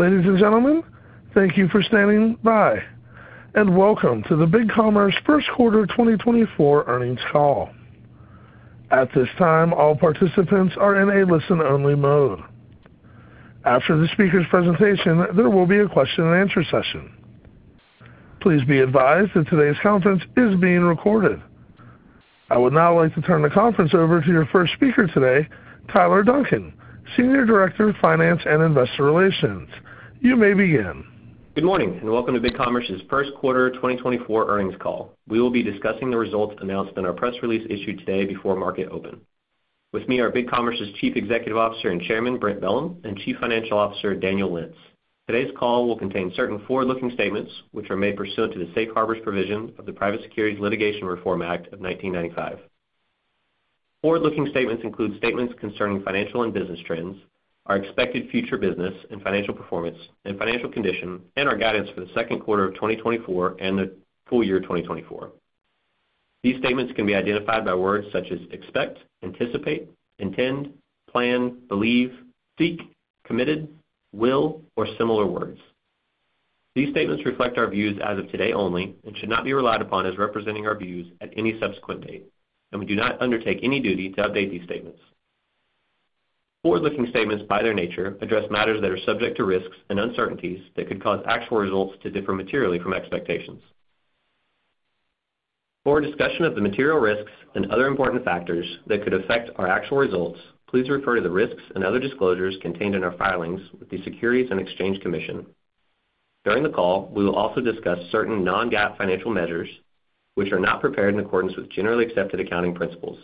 Ladies and gentlemen, thank you for standing by, and welcome to the BigCommerce First Quarter 2024 earnings call. At this time, all participants are in a listen-only mode. After the speaker's presentation, there will be a question-and-answer session. Please be advised that today's conference is being recorded. I would now like to turn the conference over to your first speaker today, Tyler Duncan, Senior Director of Finance and Investor Relations. You may begin. Good morning, and welcome to BigCommerce's First Quarter 2024 earnings call. We will be discussing the results announced in our press release issued today before market open. With me are BigCommerce's Chief Executive Officer and Chairman Brent Bellm and Chief Financial Officer Daniel Lentz. Today's call will contain certain forward-looking statements which are made pursuant to the Safe Harbor provisions of the Private Securities Litigation Reform Act of 1995. Forward-looking statements include statements concerning financial and business trends, our expected future business and financial performance and financial condition, and our guidance for the second quarter of 2024 and the full year 2024. These statements can be identified by words such as expect, anticipate, intend, plan, believe, seek, committed, will, or similar words. These statements reflect our views as of today only and should not be relied upon as representing our views at any subsequent date, and we do not undertake any duty to update these statements. Forward-looking statements, by their nature, address matters that are subject to risks and uncertainties that could cause actual results to differ materially from expectations. For a discussion of the material risks and other important factors that could affect our actual results, please refer to the risks and other disclosures contained in our filings with the Securities and Exchange Commission. During the call, we will also discuss certain non-GAAP financial measures which are not prepared in accordance with generally accepted accounting principles.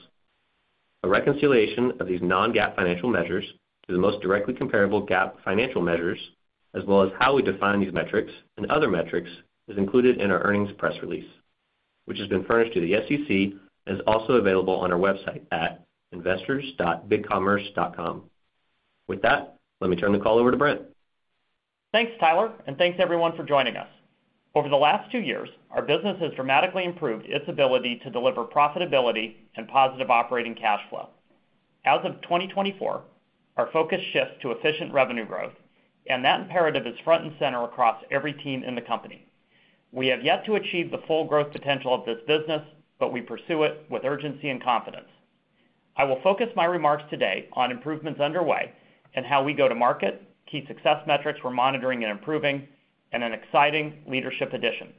A reconciliation of these non-GAAP financial measures to the most directly comparable GAAP financial measures, as well as how we define these metrics and other metrics, is included in our earnings press release, which has been furnished to the SEC and is also available on our website at investors.bigcommerce.com. With that, let me turn the call over to Brent. Thanks, Tyler, and thanks everyone for joining us. Over the last two years, our business has dramatically improved its ability to deliver profitability and positive operating cash flow. As of 2024, our focus shifts to efficient revenue growth, and that imperative is front and center across every team in the company. We have yet to achieve the full growth potential of this business, but we pursue it with urgency and confidence. I will focus my remarks today on improvements underway and how we go to market, key success metrics we're monitoring and improving, and an exciting leadership addition.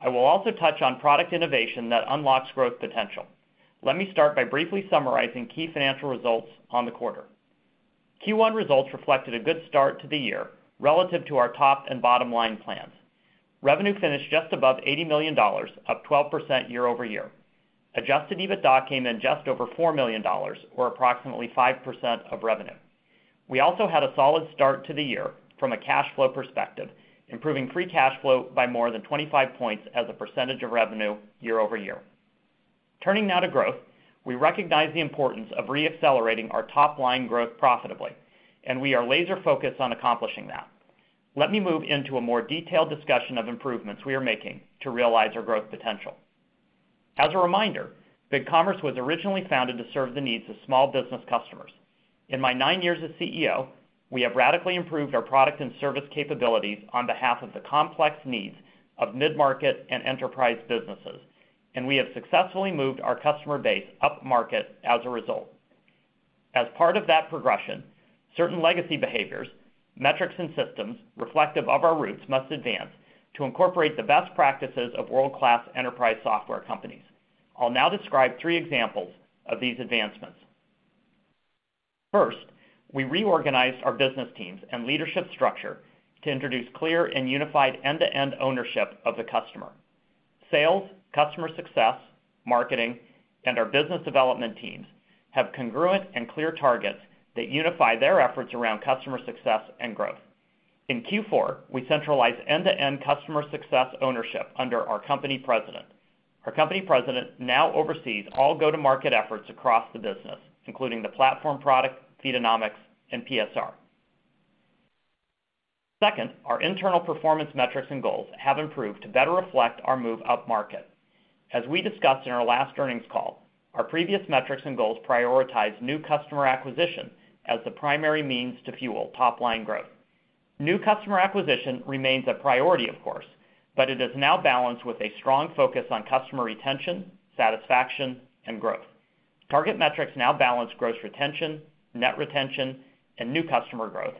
I will also touch on product innovation that unlocks growth potential. Let me start by briefly summarizing key financial results on the quarter. Q1 results reflected a good start to the year relative to our top and bottom line plans. Revenue finished just above $80 million, up 12% year-over-year. Adjusted EBITDA came in just over $4 million, or approximately 5% of revenue. We also had a solid start to the year from a cash flow perspective, improving free cash flow by more than 25 points as a percentage of revenue year-over-year. Turning now to growth, we recognize the importance of reaccelerating our top line growth profitably, and we are laser-focused on accomplishing that. Let me move into a more detailed discussion of improvements we are making to realize our growth potential. As a reminder, BigCommerce was originally founded to serve the needs of small business customers. In my nine years as CEO, we have radically improved our product and service capabilities on behalf of the complex needs of mid-market and enterprise businesses, and we have successfully moved our customer base up market as a result. As part of that progression, certain legacy behaviors, metrics, and systems reflective of our roots must advance to incorporate the best practices of world-class enterprise software companies. I'll now describe three examples of these advancements. First, we reorganized our business teams and leadership structure to introduce clear and unified end-to-end ownership of the customer. Sales, customer success, marketing, and our business development teams have congruent and clear targets that unify their efforts around customer success and growth. In Q4, we centralized end-to-end customer success ownership under our Company president. Our Company president now oversees all go-to-market efforts across the business, including the platform product, Feedonomics, and PSR. Second, our internal performance metrics and goals have improved to better reflect our move up market. As we discussed in our last earnings call, our previous metrics and goals prioritized new customer acquisition as the primary means to fuel top line growth. New customer acquisition remains a priority, of course, but it is now balanced with a strong focus on customer retention, satisfaction, and growth. Target metrics now balance gross retention, net retention, and new customer growth,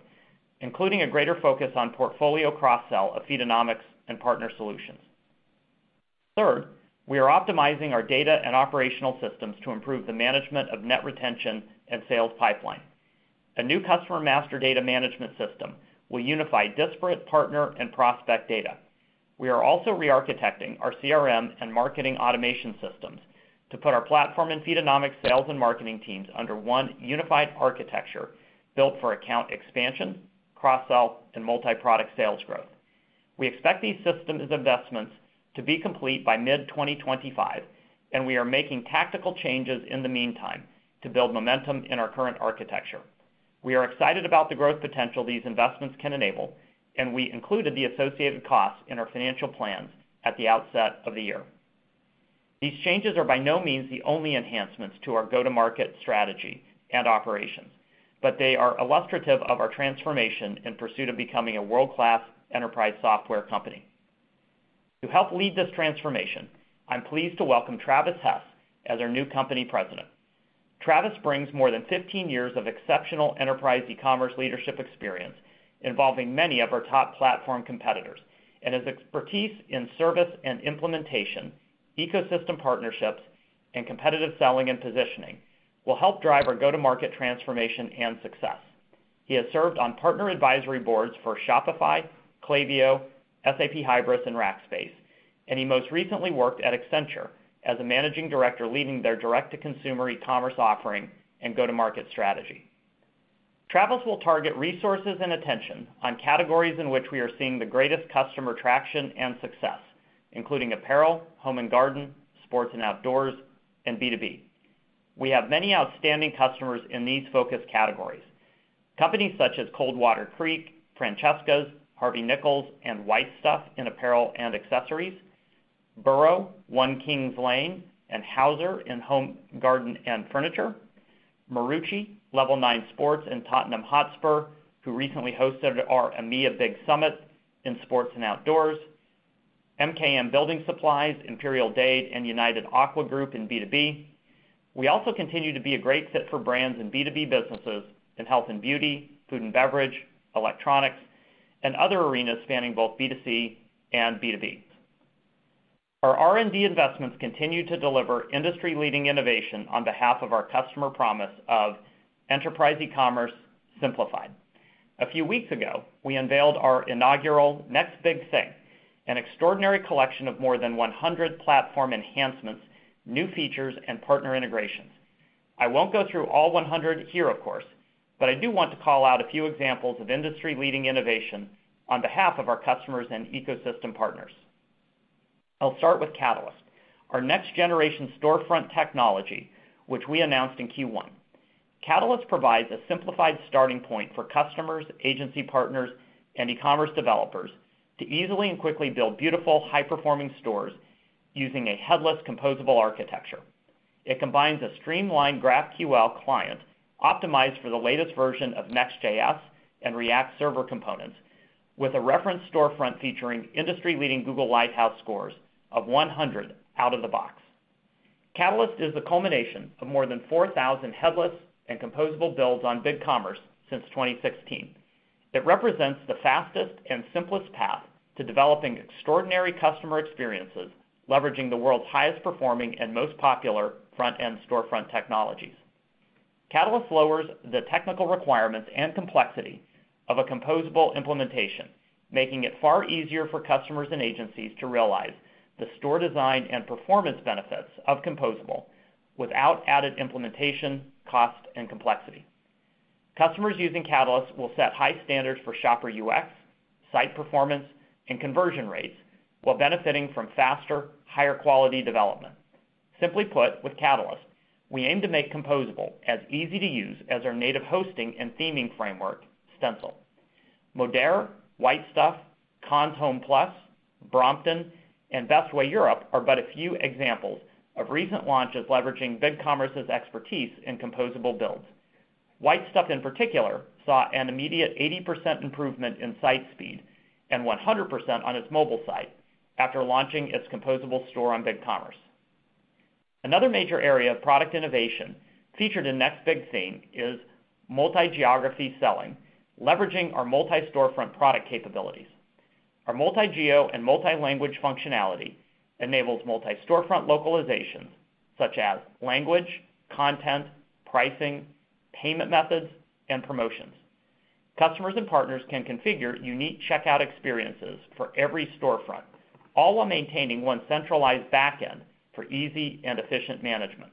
including a greater focus on portfolio cross-sell of Feedonomics and partner solutions. Third, we are optimizing our data and operational systems to improve the management of net retention and sales pipeline. A new customer master data management system will unify disparate partner and prospect data. We are also rearchitecting our CRM and marketing automation systems to put our platform and Feedonomics sales and marketing teams under one unified architecture built for account expansion, cross-sell, and multi-product sales growth. We expect these systems investments to be complete by mid-2025, and we are making tactical changes in the meantime to build momentum in our current architecture. We are excited about the growth potential these investments can enable, and we included the associated costs in our financial plans at the outset of the year. These changes are by no means the only enhancements to our go-to-market strategy and operations, but they are illustrative of our transformation in pursuit of becoming a world-class enterprise software company. To help lead this transformation, I'm pleased to welcome Travis Hess as our new company president. Travis brings more than 15 years of exceptional enterprise e-commerce leadership experience involving many of our top platform competitors, and his expertise in service and implementation, ecosystem partnerships, and competitive selling and positioning will help drive our go-to-market transformation and success. He has served on partner advisory boards for Shopify, Klaviyo, SAP Hybris, and Rackspace, and he most recently worked at Accenture as a managing director leading their direct-to-consumer e-commerce offering and go-to-market strategy. Travis will target resources and attention on categories in which we are seeing the greatest customer traction and success, including apparel, home and garden, sports and outdoors, and B2B. We have many outstanding customers in these focus categories: companies such as Coldwater Creek, Francesca's, Harvey Nichols, and White Stuff in apparel and accessories. Burrow, One Kings Lane; and Hauser in home garden and furniture. Marucci, Level 9 Sports, and Tottenham Hotspur, who recently hosted our EMEA Big Summit in sports and outdoors. MKM Building Supplies, Imperial Dade, and United Aqua Group in B2B. We also continue to be a great fit for brands and B2B businesses in health and beauty, food and beverage, electronics, and other arenas spanning both B2C and B2B. Our R&D investments continue to deliver industry-leading innovation on behalf of our customer promise of enterprise e-commerce simplified. A few weeks ago, we unveiled our inaugural Next Big Thing, an extraordinary collection of more than 100 platform enhancements, new features, and partner integrations. I won't go through all 100 here, of course, but I do want to call out a few examples of industry-leading innovation on behalf of our customers and ecosystem partners. I'll start with Catalyst, our next-generation storefront technology which we announced in Q1. Catalyst provides a simplified starting point for customers, agency partners, and e-commerce developers to easily and quickly build beautiful, high-performing stores using a headless composable architecture. It combines a streamlined GraphQL client optimized for the latest version of Next.js and React Server Components, with a reference storefront featuring industry-leading Google Lighthouse scores of 100 out of the box. Catalyst is the culmination of more than 4,000 headless and composable builds on BigCommerce since 2016. It represents the fastest and simplest path to developing extraordinary customer experiences leveraging the world's highest performing and most popular front-end storefront technologies. Catalyst lowers the technical requirements and complexity of a composable implementation, making it far easier for customers and agencies to realize the store design and performance benefits of composable without added implementation, cost, and complexity. Customers using Catalyst will set high standards for shopper UX, site performance, and conversion rates while benefiting from faster, higher-quality development. Simply put, with Catalyst, we aim to make composable as easy to use as our native hosting and theming framework, Stencil. Modere, White Stuff, Conn's HomePlus, Brompton, and Bestway Europe are but a few examples of recent launches leveraging BigCommerce's expertise in composable builds. White Stuff, in particular, saw an immediate 80% improvement in site speed and 100% on its mobile site after launching its composable store on Big Commerce. Another major area of product innovation featured in Next Big Thing is multi-geography selling, leveraging our Multi-Storefront product capabilities. Our multi-geo and multi-language functionality enables Multi-Storefront localizations such as language, content, pricing, payment methods, and promotions. Customers and partners can configure unique checkout experiences for every storefront, all while maintaining one centralized backend for easy and efficient management.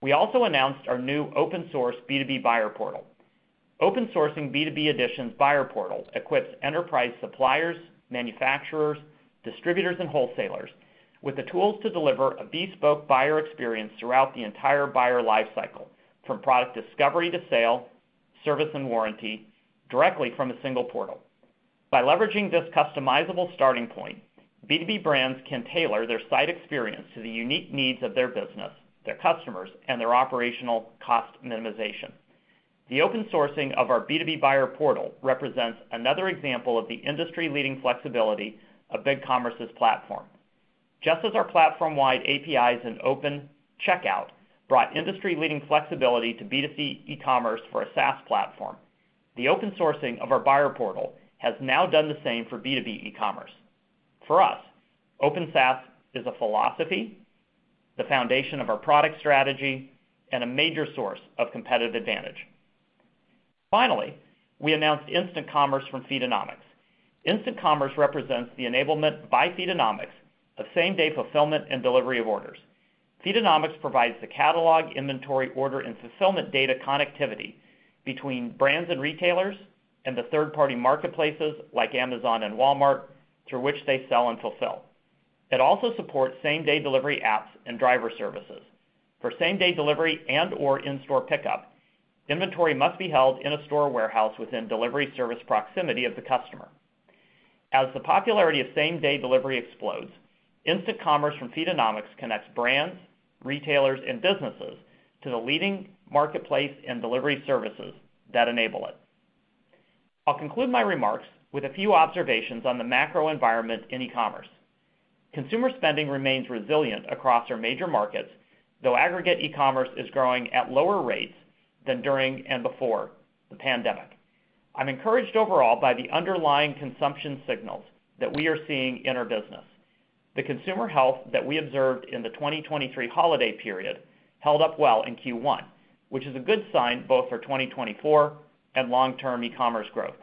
We also announced our new open-source B2B Buyer Portal. Open-sourcing B2B Edition's Buyer Portal equips enterprise suppliers, manufacturers, distributors, and wholesalers with the tools to deliver a bespoke buyer experience throughout the entire buyer lifecycle, from product discovery to sale, service and warranty, directly from a single portal. By leveraging this customizable starting point, B2B brands can tailor their site experience to the unique needs of their business, their customers, and their operational cost minimization. The open sourcing of our B2B Buyer Portal represents another example of the industry-leading flexibility of BigCommerce's platform. Just as our platform-wide APIs in Open Checkout brought industry-leading flexibility to B2C e-commerce for a SaaS platform, the open sourcing of our Buyer Portal has now done the same for B2B e-commerce. For us, Open SaaS is a philosophy, the foundation of our product strategy, and a major source of competitive advantage. Finally, we announced Instant Commerce from Feedonomics. Instant Commerce represents the enablement by Feedonomics of same-day fulfillment and delivery of orders. Feedonomics provides the catalog, inventory, order, and fulfillment data connectivity between brands and retailers and the third-party marketplaces like Amazon and Walmart through which they sell and fulfill. It also supports same-day delivery apps and driver services. For same-day delivery and/or in-store pickup, inventory must be held in a store warehouse within delivery service proximity of the customer. As the popularity of same-day delivery explodes, Instant Commerce from Feedonomics connects brands, retailers, and businesses to the leading marketplace and delivery services that enable it. I'll conclude my remarks with a few observations on the macro environment in e-commerce. Consumer spending remains resilient across our major markets, though aggregate e-commerce is growing at lower rates than during and before the pandemic. I'm encouraged overall by the underlying consumption signals that we are seeing in our business. The consumer health that we observed in the 2023 holiday period held up well in Q1, which is a good sign both for 2024 and long-term e-commerce growth.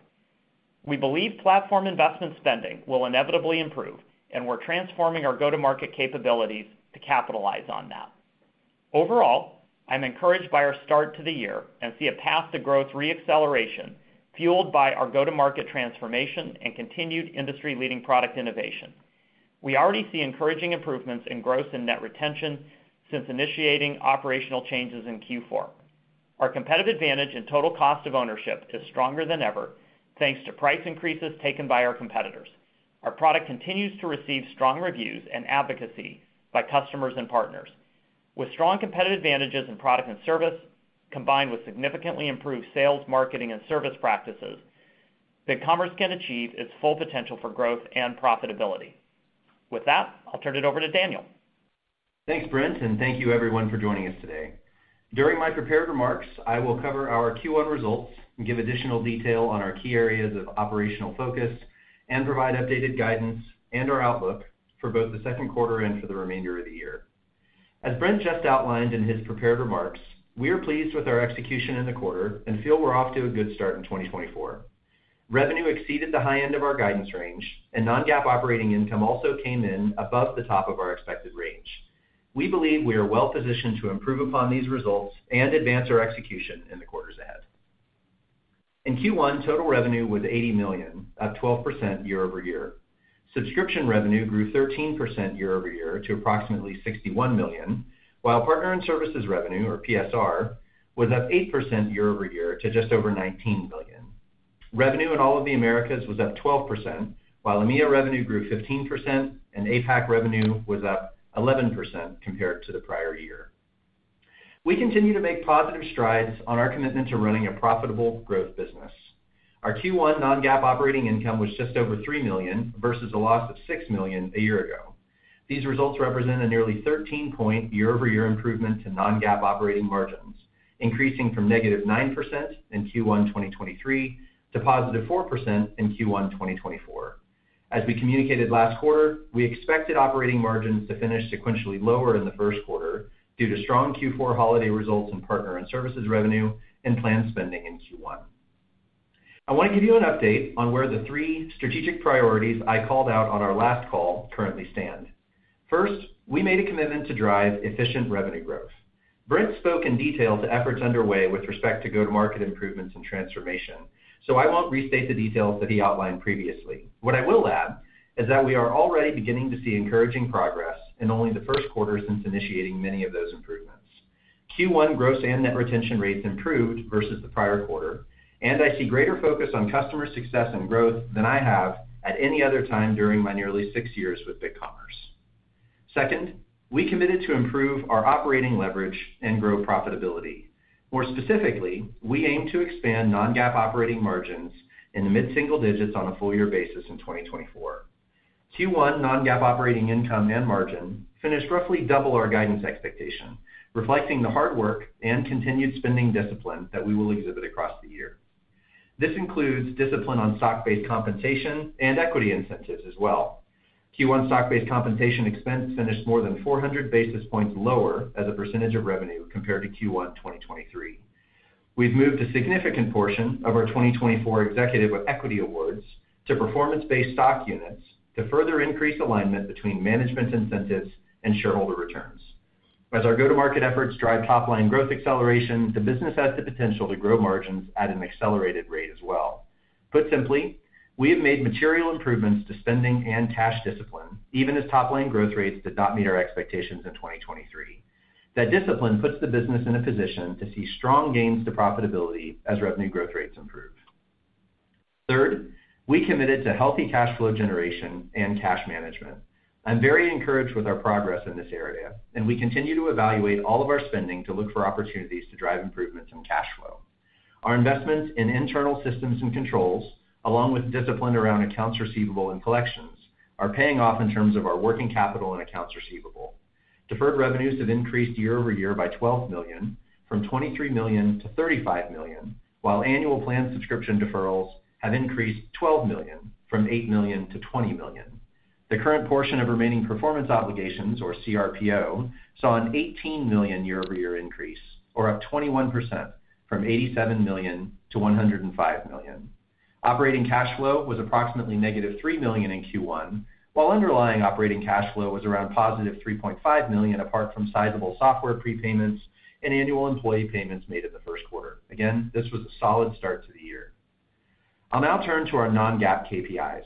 We believe platform investment spending will inevitably improve, and we're transforming our go-to-market capabilities to capitalize on that. Overall, I'm encouraged by our start to the year and see a path to growth reacceleration fueled by our go-to-market transformation and continued industry-leading product innovation. We already see encouraging improvements in gross and net retention since initiating operational changes in Q4. Our competitive advantage in total cost of ownership is stronger than ever thanks to price increases taken by our competitors. Our product continues to receive strong reviews and advocacy by customers and partners. With strong competitive advantages in product and service, combined with significantly improved sales, marketing, and service practices, BigCommerce can achieve its full potential for growth and profitability. With that, I'll turn it over to Daniel. Thanks, Brent, and thank you, everyone, for joining us today. During my prepared remarks, I will cover our Q1 results, give additional detail on our key areas of operational focus, and provide updated guidance and our outlook for both the second quarter and for the remainder of the year. As Brent just outlined in his prepared remarks, we are pleased with our execution in the quarter and feel we're off to a good start in 2024. Revenue exceeded the high end of our guidance range, and non-GAAP operating income also came in above the top of our expected range. We believe we are well positioned to improve upon these results and advance our execution in the quarters ahead. In Q1, total revenue was $80 million, up 12% year-over-year. Subscription revenue grew 13% year-over-year to approximately $61 million, while partner and services revenue, or PSR, was up 8% year-over-year to just over $19 million. Revenue in all of the Americas was up 12%, while EMEA revenue grew 15%, and APAC revenue was up 11% compared to the prior year. We continue to make positive strides on our commitment to running a profitable growth business. Our Q1 non-GAAP operating income was just over $3 million versus a loss of $6 million a year ago. These results represent a nearly 13-point year-over-year improvement to non-GAAP operating margins, increasing from -9% in Q1 2023 to +4% in Q1 2024. As we communicated last quarter, we expected operating margins to finish sequentially lower in the first quarter due to strong Q4 holiday results in partner and services revenue and planned spending in Q1. I want to give you an update on where the three strategic priorities I called out on our last call currently stand. First, we made a commitment to drive efficient revenue growth. Brent spoke in detail to efforts underway with respect to go-to-market improvements and transformation, so I won't restate the details that he outlined previously. What I will add is that we are already beginning to see encouraging progress in only the first quarter since initiating many of those improvements. Q1 gross and net retention rates improved versus the prior quarter, and I see greater focus on customer success and growth than I have at any other time during my nearly six years with BigCommerce. Second, we committed to improve our operating leverage and grow profitability. More specifically, we aim to expand non-GAAP operating margins in the mid-single digits on a full-year basis in 2024. Q1 non-GAAP operating income and margin finished roughly double our guidance expectation, reflecting the hard work and continued spending discipline that we will exhibit across the year. This includes discipline on stock-based compensation and equity incentives as well. Q1 stock-based compensation expense finished more than 400 basis points lower as a percentage of revenue compared to Q1 2023. We've moved a significant portion of our 2024 executive equity awards to performance-based stock units to further increase alignment between management incentives and shareholder returns. As our go-to-market efforts drive top-line growth acceleration, the business has the potential to grow margins at an accelerated rate as well. Put simply, we have made material improvements to spending and cash discipline, even as top-line growth rates did not meet our expectations in 2023. That discipline puts the business in a position to see strong gains to profitability as revenue growth rates improve. Third, we committed to healthy cash flow generation and cash management. I'm very encouraged with our progress in this area, and we continue to evaluate all of our spending to look for opportunities to drive improvements in cash flow. Our investments in internal systems and controls, along with discipline around accounts receivable and collections, are paying off in terms of our working capital and accounts receivable. Deferred revenues have increased year-over-year by $12 million, from $23 million to $35 million, while annual plan subscription deferrals have increased $12 million, from $8 million to $20 million. The current portion of remaining performance obligations, or CRPO, saw an $18 million year-over-year increase, or up 21%, from $87 million to $105 million. Operating cash flow was approximately -$3 million in Q1, while underlying operating cash flow was around $3.5 million apart from sizable software prepayments and annual employee payments made in the first quarter. Again, this was a solid start to the year. I'll now turn to our non-GAAP KPIs.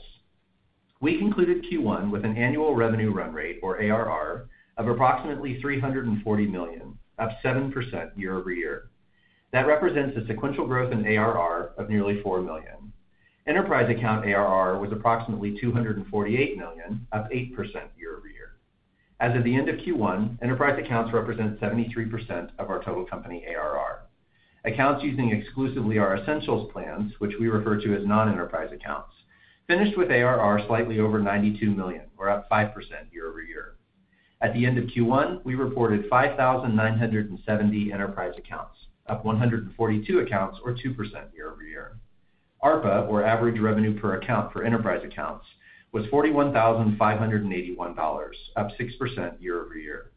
We concluded Q1 with an annual revenue run rate, or ARR, of approximately $340 million, up 7% year-over-year. That represents a sequential growth in ARR of nearly $4 million. Enterprise account ARR was approximately $248 million, up 8% year-over-year. As of the end of Q1, enterprise accounts represent 73% of our total company ARR. Accounts using exclusively our Essentials plans, which we refer to as non-enterprise accounts, finished with ARR slightly over $92 million, or up 5% year-over-year. At the end of Q1, we reported 5,970 enterprise accounts, up 142 accounts, or 2% year-over-year. ARPA, or average revenue per account for enterprise accounts, was $41,581, up 6% year-over-year.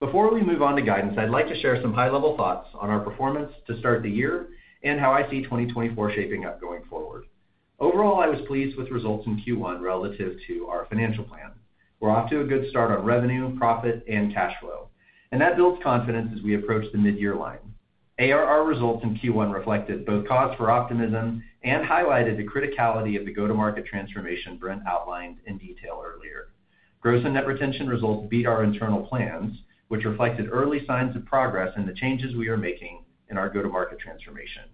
Before we move on to guidance, I'd like to share some high-level thoughts on our performance to start the year and how I see 2024 shaping up going forward. Overall, I was pleased with results in Q1 relative to our financial plan. We're off to a good start on revenue, profit, and cash flow, and that builds confidence as we approach the mid-year line. ARR results in Q1 reflected both cause for optimism and highlighted the criticality of the go-to-market transformation Brent outlined in detail earlier. Gross and net retention results beat our internal plans, which reflected early signs of progress in the changes we are making in our go-to-market transformation.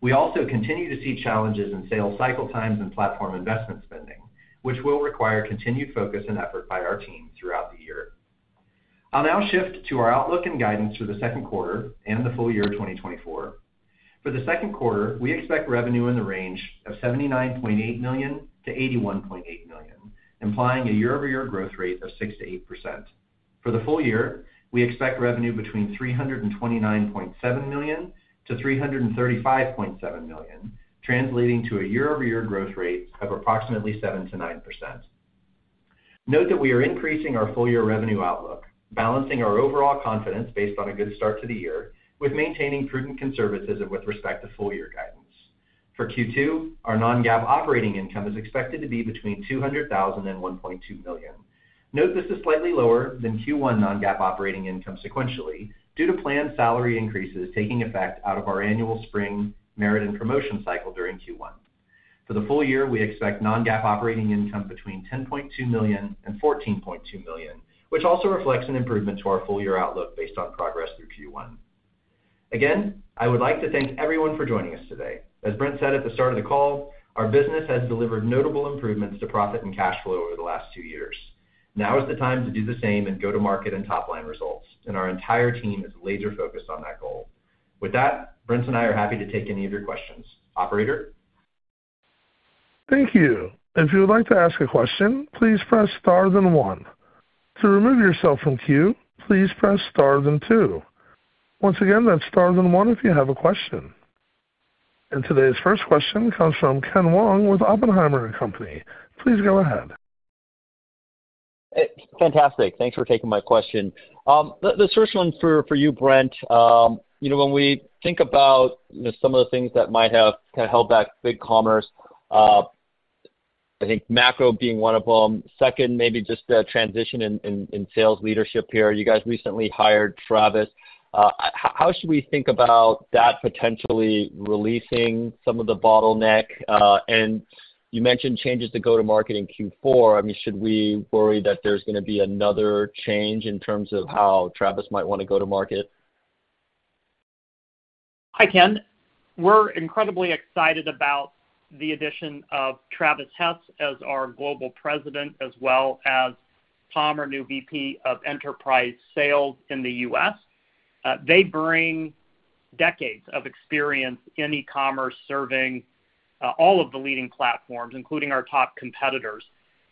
We also continue to see challenges in sales cycle times and platform investment spending, which will require continued focus and effort by our team throughout the year. I'll now shift to our outlook and guidance for the second quarter and the full year 2024. For the second quarter, we expect revenue in the range of $79.8 million-$81.8 million, implying a year-over-year growth rate of 6%-8%. For the full year, we expect revenue between $329.7 million-$335.7 million, translating to a year-over-year growth rate of approximately 7%-9%. Note that we are increasing our full-year revenue outlook, balancing our overall confidence based on a good start to the year with maintaining prudent conservatism with respect to full-year guidance. For Q2, our non-GAAP operating income is expected to be between $200,000-$1.2 million. Note this is slightly lower than Q1 non-GAAP operating income sequentially due to planned salary increases taking effect out of our annual spring, merit, and promotion cycle during Q1. For the full year, we expect non-GAAP operating income between $10.2 million and $14.2 million, which also reflects an improvement to our full-year outlook based on progress through Q1. Again, I would like to thank everyone for joining us today. As Brent said at the start of the call, our business has delivered notable improvements to profit and cash flow over the last two years. Now is the time to do the same in go-to-market and top-line results, and our entire team is laser-focused on that goal. With that, Brent and I are happy to take any of your questions. Operator? Thank you. If you would like to ask a question, please press star, then one. To remove yourself from queue, please press star, then two. Once again, that's star, then one if you have a question. And today's first question comes from Ken Wong with Oppenheimer & Co. Please go ahead. Fantastic. Thanks for taking my question. The first one for you, Brent. When we think about some of the things that might have held back BigCommerce, I think macro being one of them. Second, maybe just a transition in sales leadership here. You guys recently hired Travis. How should we think about that potentially releasing some of the bottleneck? And you mentioned changes to go-to-market in Q4. Should we worry that there's going to be another change in terms of how Travis might want to go-to-market? Hi, Ken. We're incredibly excited about the addition of Travis Hess as our global president as well as Tom, our new VP of enterprise sales in the US. They bring decades of experience in e-commerce serving all of the leading platforms, including our top competitors.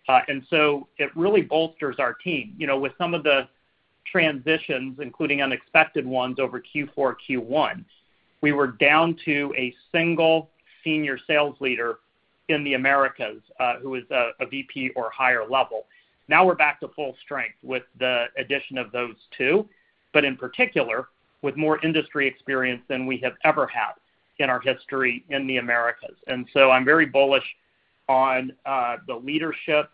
And so it really bolsters our team. With some of the transitions, including unexpected ones over Q4, Q1, we were down to a single senior sales leader in the Americas who was a VP or higher level. Now we're back to full strength with the addition of those two, but in particular with more industry experience than we have ever had in our history in the Americas. And so I'm very bullish on the leadership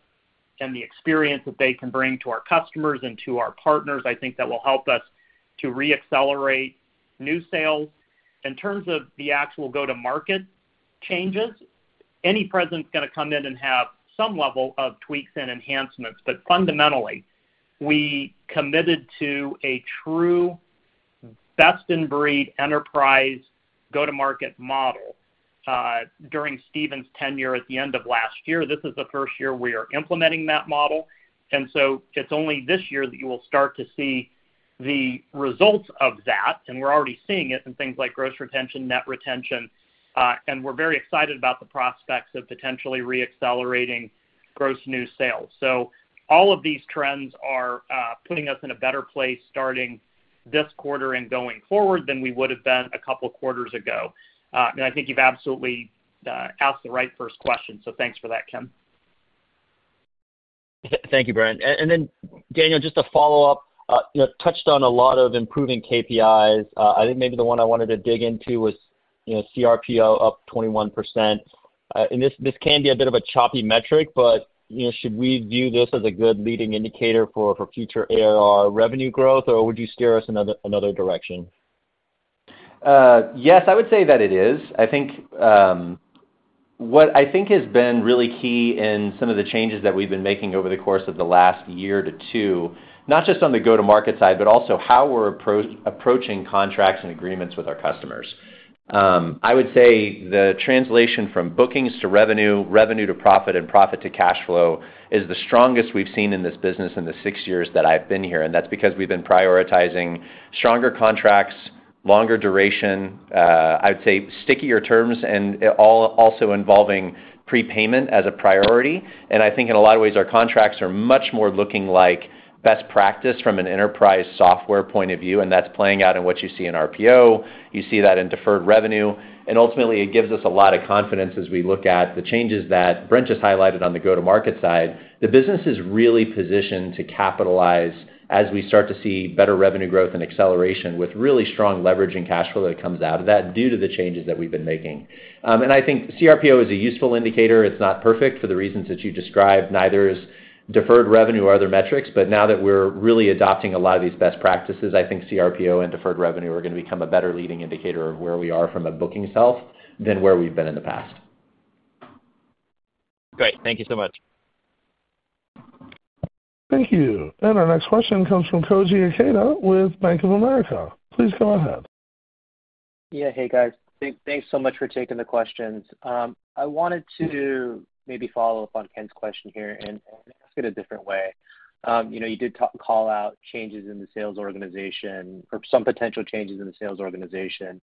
and the experience that they can bring to our customers and to our partners. I think that will help us to reaccelerate new sales. In terms of the actual go-to-market changes, any president's going to come in and have some level of tweaks and enhancements. But fundamentally, we committed to a true best-in-breed enterprise go-to-market model. During Steven's tenure at the end of last year, this is the first year we are implementing that model. And so it's only this year that you will start to see the results of that, and we're already seeing it in things like gross retention, net retention. And we're very excited about the prospects of potentially reaccelerating gross new sales. So all of these trends are putting us in a better place starting this quarter and going forward than we would have been a couple of quarters ago. And I think you've absolutely asked the right first question. So thanks for that, Ken. Thank you, Brent. And then, Daniel, just to follow up, touched on a lot of improving KPIs. I think maybe the one I wanted to dig into was CRPO up 21%. And this can be a bit of a choppy metric, but should we view this as a good leading indicator for future ARR revenue growth, or would you steer us in another direction? Yes, I would say that it is. I think what I think has been really key in some of the changes that we've been making over the course of the last year or two, not just on the go-to-market side, but also how we're approaching contracts and agreements with our customers. I would say the translation from bookings to revenue, revenue to profit, and profit to cash flow is the strongest we've seen in this business in the six years that I've been here. And that's because we've been prioritizing stronger contracts, longer duration, I would say stickier terms, and also involving prepayment as a priority. And I think in a lot of ways, our contracts are much more looking like best practice from an enterprise software point of view. And that's playing out in what you see in RPO. You see that in deferred revenue. Ultimately, it gives us a lot of confidence as we look at the changes that Brent just highlighted on the go-to-market side. The business is really positioned to capitalize as we start to see better revenue growth and acceleration with really strong leverage and cash flow that comes out of that due to the changes that we've been making. And I think CRPO is a useful indicator. It's not perfect for the reasons that you described. Neither is deferred revenue or other metrics. But now that we're really adopting a lot of these best practices, I think CRPO and deferred revenue are going to become a better leading indicator of where we are from a bookings health than where we've been in the past. Great. Thank you so much. Thank you. Our next question comes from Koji Ikeda with Bank of America. Please go ahead. Yeah. Hey, guys. Thanks so much for taking the questions. I wanted to maybe follow up on Ken's question here and ask it a different way. You did call out changes in the sales organization or some potential changes in the sales organization,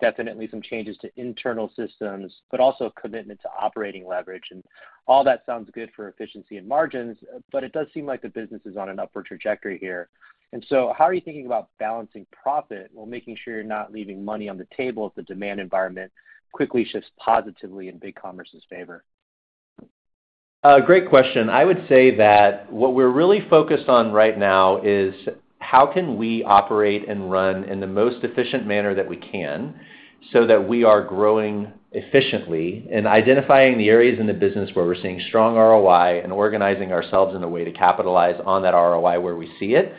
definitely some changes to internal systems, but also a commitment to operating leverage. And all that sounds good for efficiency and margins, but it does seem like the business is on an upward trajectory here. And so how are you thinking about balancing profit while making sure you're not leaving money on the table if the demand environment quickly shifts positively in BigCommerce's favor? Great question. I would say that what we're really focused on right now is how can we operate and run in the most efficient manner that we can so that we are growing efficiently and identifying the areas in the business where we're seeing strong ROI and organizing ourselves in a way to capitalize on that ROI where we see it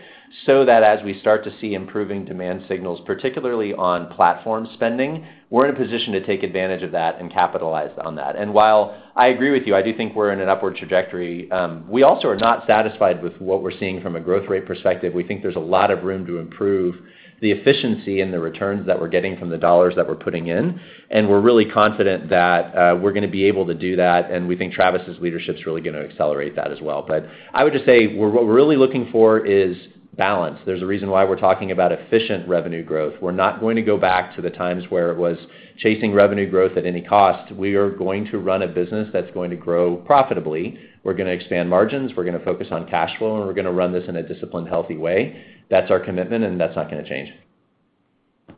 so that as we start to see improving demand signals, particularly on platform spending, we're in a position to take advantage of that and capitalize on that. And while I agree with you, I do think we're in an upward trajectory, we also are not satisfied with what we're seeing from a growth rate perspective. We think there's a lot of room to improve the efficiency and the returns that we're getting from the dollars that we're putting in. We're really confident that we're going to be able to do that. We think Travis's leadership's really going to accelerate that as well. But I would just say what we're really looking for is balance. There's a reason why we're talking about efficient revenue growth. We're not going to go back to the times where it was chasing revenue growth at any cost. We are going to run a business that's going to grow profitably. We're going to expand margins. We're going to focus on cash flow, and we're going to run this in a disciplined, healthy way. That's our commitment, and that's not going to change.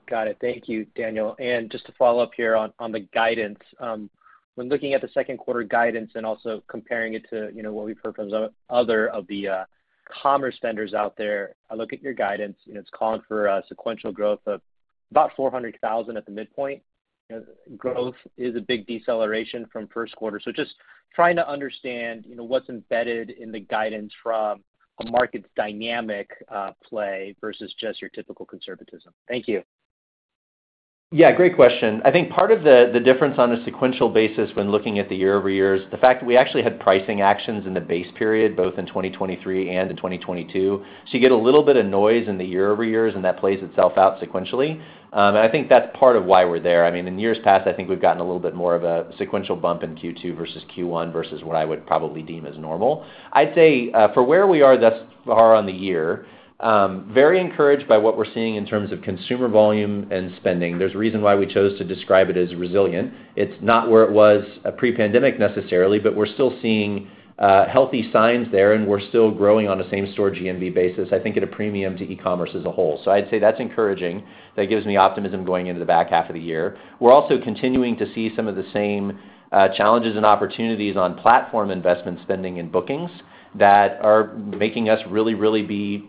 Got it. Thank you, Daniel. And just to follow up here on the guidance, when looking at the second quarter guidance and also comparing it to what we've heard from other of the commerce vendors out there, I look at your guidance. It's calling for sequential growth of about 400,000 at the midpoint. Growth is a big deceleration from first quarter. So just trying to understand what's embedded in the guidance from a market's dynamic play versus just your typical conservatism. Thank you. Yeah, great question. I think part of the difference on a sequential basis when looking at the year-over-year is the fact that we actually had pricing actions in the base period, both in 2023 and in 2022. So you get a little bit of noise in the year-over-years, and that plays itself out sequentially. And I think that's part of why we're there. I mean, in years past, I think we've gotten a little bit more of a sequential bump in Q2 versus Q1 versus what I would probably deem as normal. I'd say for where we are thus far on the year, very encouraged by what we're seeing in terms of consumer volume and spending. There's reason why we chose to describe it as resilient. It's not where it was pre-pandemic necessarily, but we're still seeing healthy signs there, and we're still growing on the same store GMV basis, I think, at a premium to e-commerce as a whole. So I'd say that's encouraging. That gives me optimism going into the back half of the year. We're also continuing to see some of the same challenges and opportunities on platform investment spending and bookings that are making us really, really be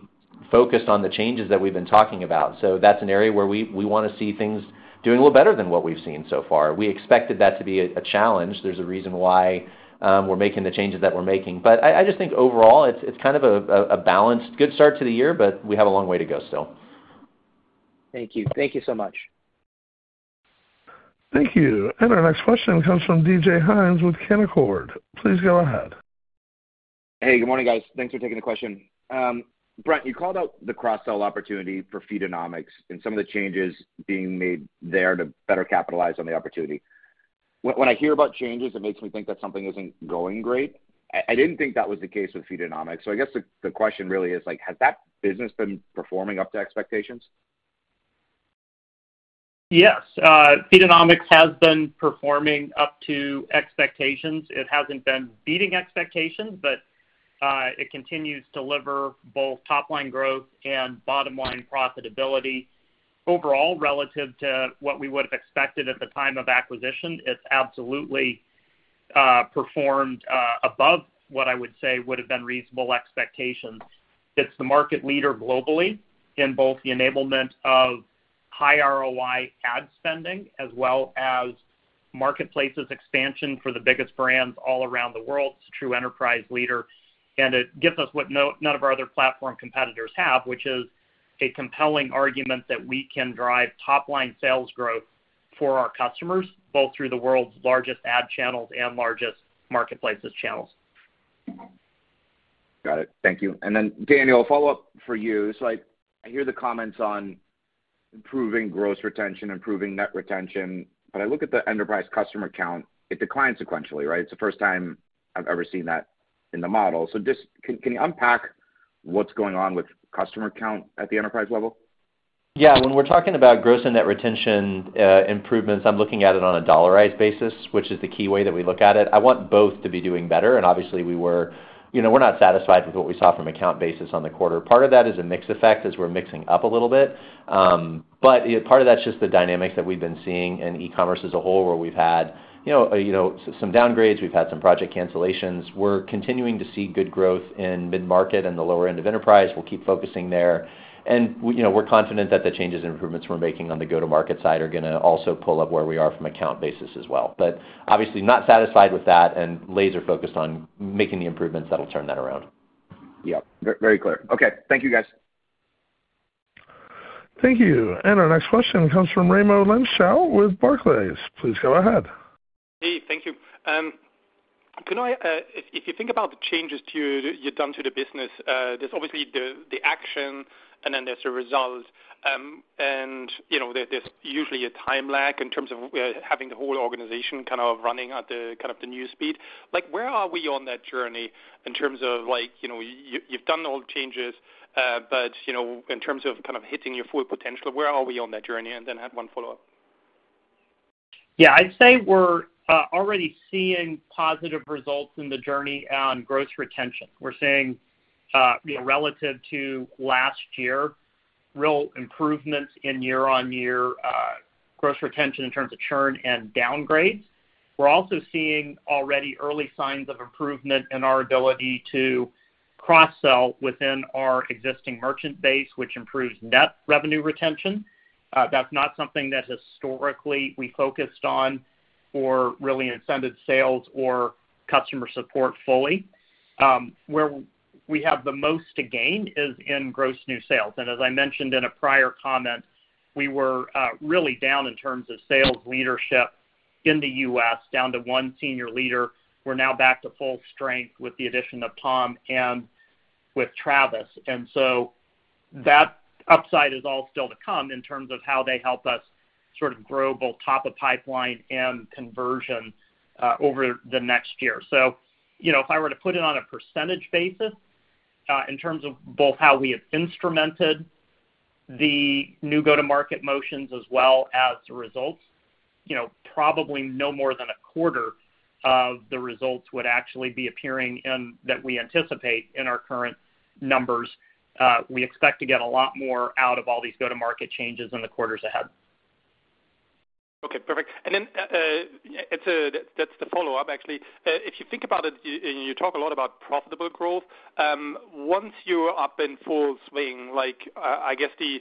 focused on the changes that we've been talking about. So that's an area where we want to see things doing a little better than what we've seen so far. We expected that to be a challenge. There's a reason why we're making the changes that we're making. But I just think overall, it's kind of a balanced good start to the year, but we have a long way to go still. Thank you. Thank you so much. Thank you. Our next question comes from DJ Hynes with Canaccord. Please go ahead. Hey, good morning, guys. Thanks for taking the question. Brent, you called out the cross-sell opportunity for Feedonomics and some of the changes being made there to better capitalize on the opportunity. When I hear about changes, it makes me think that something isn't going great. I didn't think that was the case with Feedonomics. So I guess the question really is, has that business been performing up to expectations? Yes. Feedonomics has been performing up to expectations. It hasn't been beating expectations, but it continues to deliver both top-line growth and bottom-line profitability overall relative to what we would have expected at the time of acquisition. It's absolutely performed above what I would say would have been reasonable expectations. It's the market leader globally in both the enablement of high ROI ad spending as well as marketplace expansion for the biggest brands all around the world. It's a true enterprise leader. And it gives us what none of our other platform competitors have, which is a compelling argument that we can drive top-line sales growth for our customers, both through the world's largest ad channels and largest marketplace channels. Got it. Thank you. And then, Daniel, a follow-up for you. So I hear the comments on improving gross retention, improving net retention, but I look at the enterprise customer count, it declines sequentially, right? It's the first time I've ever seen that in the model. So can you unpack what's going on with customer count at the enterprise level? Yeah. When we're talking about gross and net retention improvements, I'm looking at it on a dollarized basis, which is the key way that we look at it. I want both to be doing better. And obviously, we're not satisfied with what we saw from account basis on the quarter. Part of that is a mix effect as we're mixing up a little bit. But part of that's just the dynamics that we've been seeing in e-commerce as a whole where we've had some downgrades. We've had some project cancellations. We're continuing to see good growth in mid-market and the lower end of enterprise. We'll keep focusing there. And we're confident that the changes and improvements we're making on the go-to-market side are going to also pull up where we are from account basis as well. But obviously, not satisfied with that and laser-focused on making the improvements that'll turn that around. Yep. Very clear. Okay. Thank you, guys. Thank you. Our next question comes from Raimo Lenschow with Barclays. Please go ahead. Hey. Thank you. If you think about the changes you've done to the business, there's obviously the action, and then there's the result. And there's usually a time lag in terms of having the whole organization kind of running at kind of the new speed. Where are we on that journey in terms of you've done all the changes, but in terms of kind of hitting your full potential, where are we on that journey? And then add one follow-up. Yeah. I'd say we're already seeing positive results in the journey on gross retention. We're seeing, relative to last year, real improvements in year-on-year gross retention in terms of churn and downgrades. We're also seeing already early signs of improvement in our ability to cross-sell within our existing merchant base, which improves net revenue retention. That's not something that historically we focused on or really incented sales or customer support fully. Where we have the most to gain is in gross new sales. And as I mentioned in a prior comment, we were really down in terms of sales leadership in the U.S., down to one senior leader. We're now back to full strength with the addition of Tom and with Travis. And so that upside is all still to come in terms of how they help us sort of grow both top of pipeline and conversion over the next year. So if I were to put it on a percentage basis in terms of both how we have instrumented the new go-to-market motions as well as the results, probably no more than a quarter of the results would actually be appearing that we anticipate in our current numbers. We expect to get a lot more out of all these go-to-market changes in the quarters ahead. Okay. Perfect. And then that's the follow-up, actually. If you think about it, you talk a lot about profitable growth. Once you're up in full swing, I guess the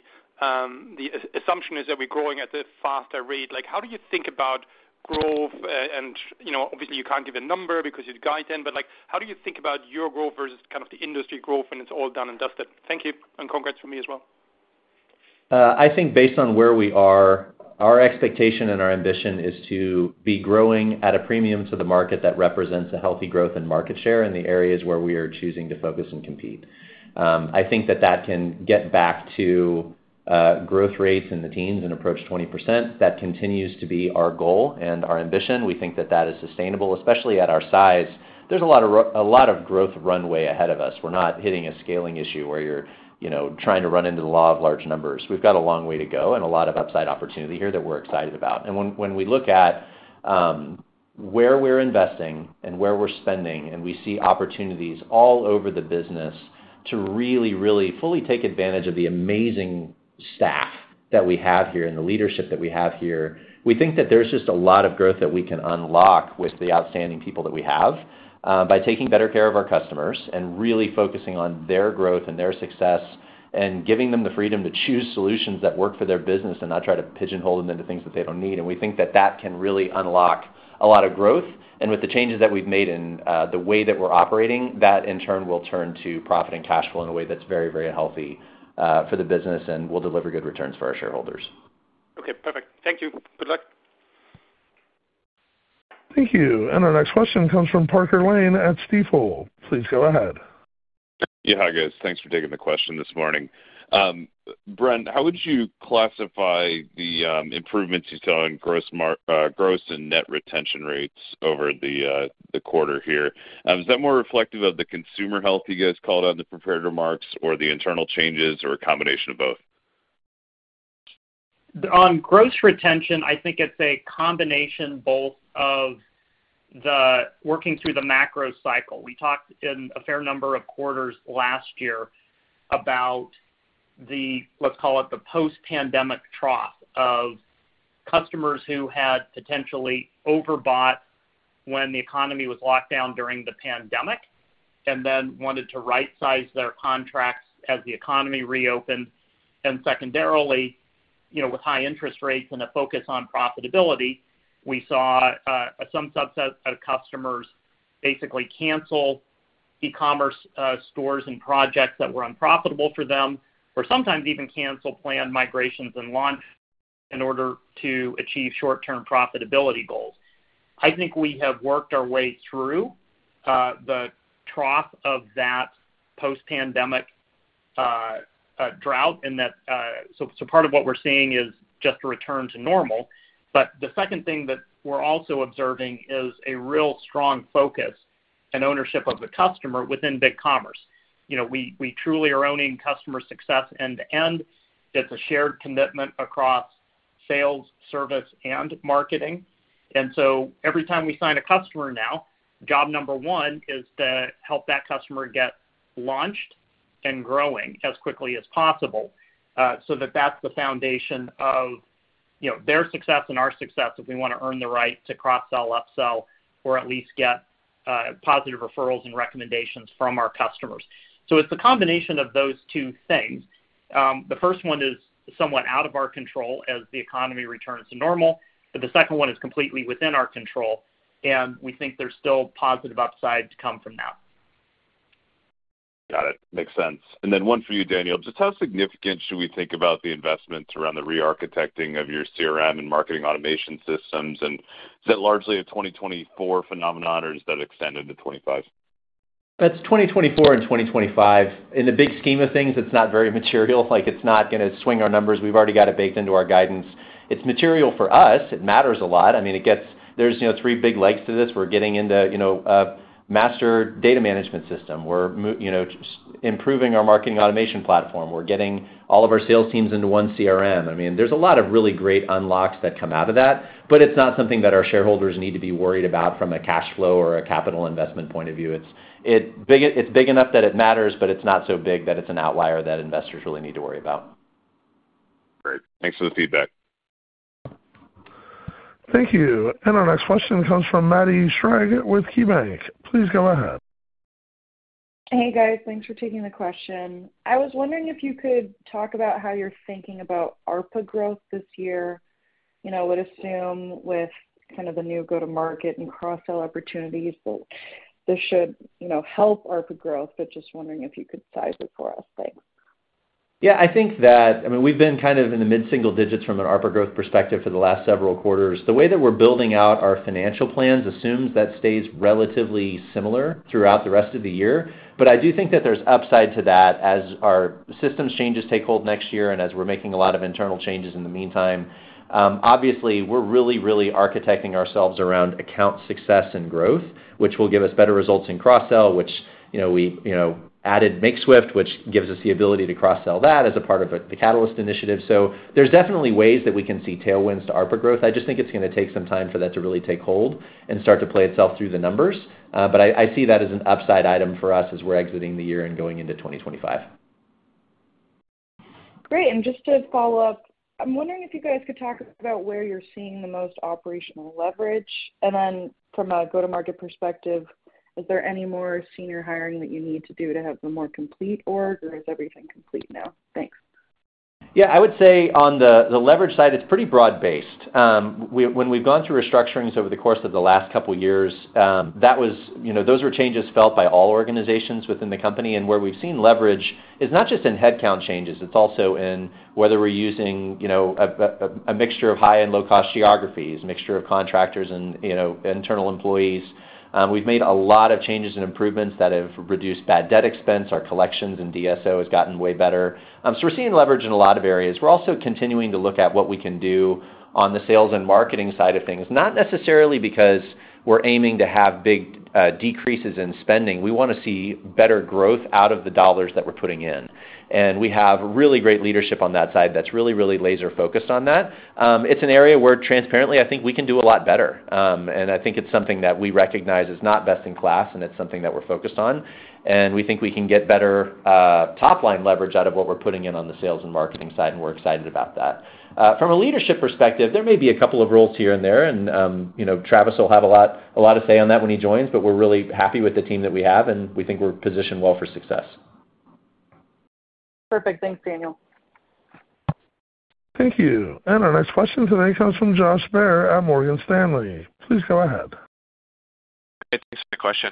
assumption is that we're growing at a faster rate. How do you think about growth? And obviously, you can't give a number because you'd guide them, but how do you think about your growth versus kind of the industry growth when it's all done and dusted? Thank you and congrats from me as well. I think based on where we are, our expectation and our ambition is to be growing at a premium to the market that represents a healthy growth and market share in the areas where we are choosing to focus and compete. I think that that can get back to growth rates in the teens and approach 20%. That continues to be our goal and our ambition. We think that that is sustainable, especially at our size. There's a lot of growth runway ahead of us. We're not hitting a scaling issue where you're trying to run into the law of large numbers. We've got a long way to go and a lot of upside opportunity here that we're excited about. When we look at where we're investing and where we're spending, and we see opportunities all over the business to really, really fully take advantage of the amazing staff that we have here and the leadership that we have here, we think that there's just a lot of growth that we can unlock with the outstanding people that we have by taking better care of our customers and really focusing on their growth and their success and giving them the freedom to choose solutions that work for their business and not try to pigeonhole them into things that they don't need. We think that that can really unlock a lot of growth. With the changes that we've made in the way that we're operating, that, in turn, will turn to profit and cash flow in a way that's very, very healthy for the business and will deliver good returns for our shareholders. Okay. Perfect. Thank you. Good luck. Thank you. Our next question comes from Parker Lane at Stifel. Please go ahead. Yeah, hi, guys. Thanks for taking the question this morning. Brent, how would you classify the improvements you saw in gross and net retention rates over the quarter here? Is that more reflective of the consumer health you guys called on to prepare remarks or the internal changes or a combination of both? On gross retention, I think it's a combination both of working through the macro cycle. We talked in a fair number of quarters last year about, let's call it, the post-pandemic trough of customers who had potentially overbought when the economy was locked down during the pandemic and then wanted to right-size their contracts as the economy reopened. And secondarily, with high interest rates and a focus on profitability, we saw some subset of customers basically cancel e-commerce stores and projects that were unprofitable for them or sometimes even cancel planned migrations and launch in order to achieve short-term profitability goals. I think we have worked our way through the trough of that post-pandemic drought. And so part of what we're seeing is just a return to normal. But the second thing that we're also observing is a real strong focus and ownership of the customer within BigCommerce. We truly are owning customer success end to end. It's a shared commitment across sales, service, and marketing. And so every time we sign a customer now, job number one is to help that customer get launched and growing as quickly as possible so that that's the foundation of their success and our success if we want to earn the right to cross-sell, upsell, or at least get positive referrals and recommendations from our customers. So it's a combination of those two things. The first one is somewhat out of our control as the economy returns to normal, but the second one is completely within our control, and we think there's still positive upside to come from that. Got it. Makes sense. And then one for you, Daniel. Just how significant should we think about the investments around the rearchitecting of your CRM and marketing automation systems? And is that largely a 2024 phenomenon, or does that extend into 2025? It's 2024 and 2025. In the big scheme of things, it's not very material. It's not going to swing our numbers. We've already got it baked into our guidance. It's material for us. It matters a lot. I mean, there's three big legs to this. We're getting into a master data management system. We're improving our marketing automation platform. We're getting all of our sales teams into one CRM. I mean, there's a lot of really great unlocks that come out of that, but it's not something that our shareholders need to be worried about from a cash flow or a capital investment point of view. It's big enough that it matters, but it's not so big that it's an outlier that investors really need to worry about. Great. Thanks for the feedback. Thank you. Our next question comes from Maddie Schrage with KeyBanc. Please go ahead. Hey, guys. Thanks for taking the question. I was wondering if you could talk about how you're thinking about ARPA growth this year. I would assume with kind of the new go-to-market and cross-sell opportunities, this should help ARPA growth, but just wondering if you could size it for us. Thanks. Yeah. I mean, we've been kind of in the mid-single digits from an ARPA growth perspective for the last several quarters. The way that we're building out our financial plans assumes that stays relatively similar throughout the rest of the year. But I do think that there's upside to that as our systems changes take hold next year and as we're making a lot of internal changes in the meantime. Obviously, we're really, really architecting ourselves around account success and growth, which will give us better results in cross-sell, which we added Makeswift, which gives us the ability to cross-sell that as a part of the Catalyst initiative. So there's definitely ways that we can see tailwinds to ARPA growth. I just think it's going to take some time for that to really take hold and start to play itself through the numbers. But I see that as an upside item for us as we're exiting the year and going into 2025. Great. And just to follow up, I'm wondering if you guys could talk about where you're seeing the most operational leverage. And then from a go-to-market perspective, is there any more senior hiring that you need to do to have the more complete org, or is everything complete now? Thanks. Yeah. I would say on the leverage side, it's pretty broad-based. When we've gone through restructurings over the course of the last couple of years, those were changes felt by all organizations within the company. And where we've seen leverage is not just in headcount changes. It's also in whether we're using a mixture of high and low-cost geographies, a mixture of contractors and internal employees. We've made a lot of changes and improvements that have reduced bad debt expense. Our collections and DSO has gotten way better. So we're seeing leverage in a lot of areas. We're also continuing to look at what we can do on the sales and marketing side of things, not necessarily because we're aiming to have big decreases in spending. We want to see better growth out of the dollars that we're putting in. We have really great leadership on that side that's really, really laser-focused on that. It's an area where, transparently, I think we can do a lot better. I think it's something that we recognize is not best in class, and it's something that we're focused on. We think we can get better top-line leverage out of what we're putting in on the sales and marketing side, and we're excited about that. From a leadership perspective, there may be a couple of roles here and there, and Travis will have a lot to say on that when he joins, but we're really happy with the team that we have, and we think we're positioned well for success. Perfect. Thanks, Daniel. Thank you. And our next question today comes from Josh Baer at Morgan Stanley. Please go ahead. Great. Thanks for the question.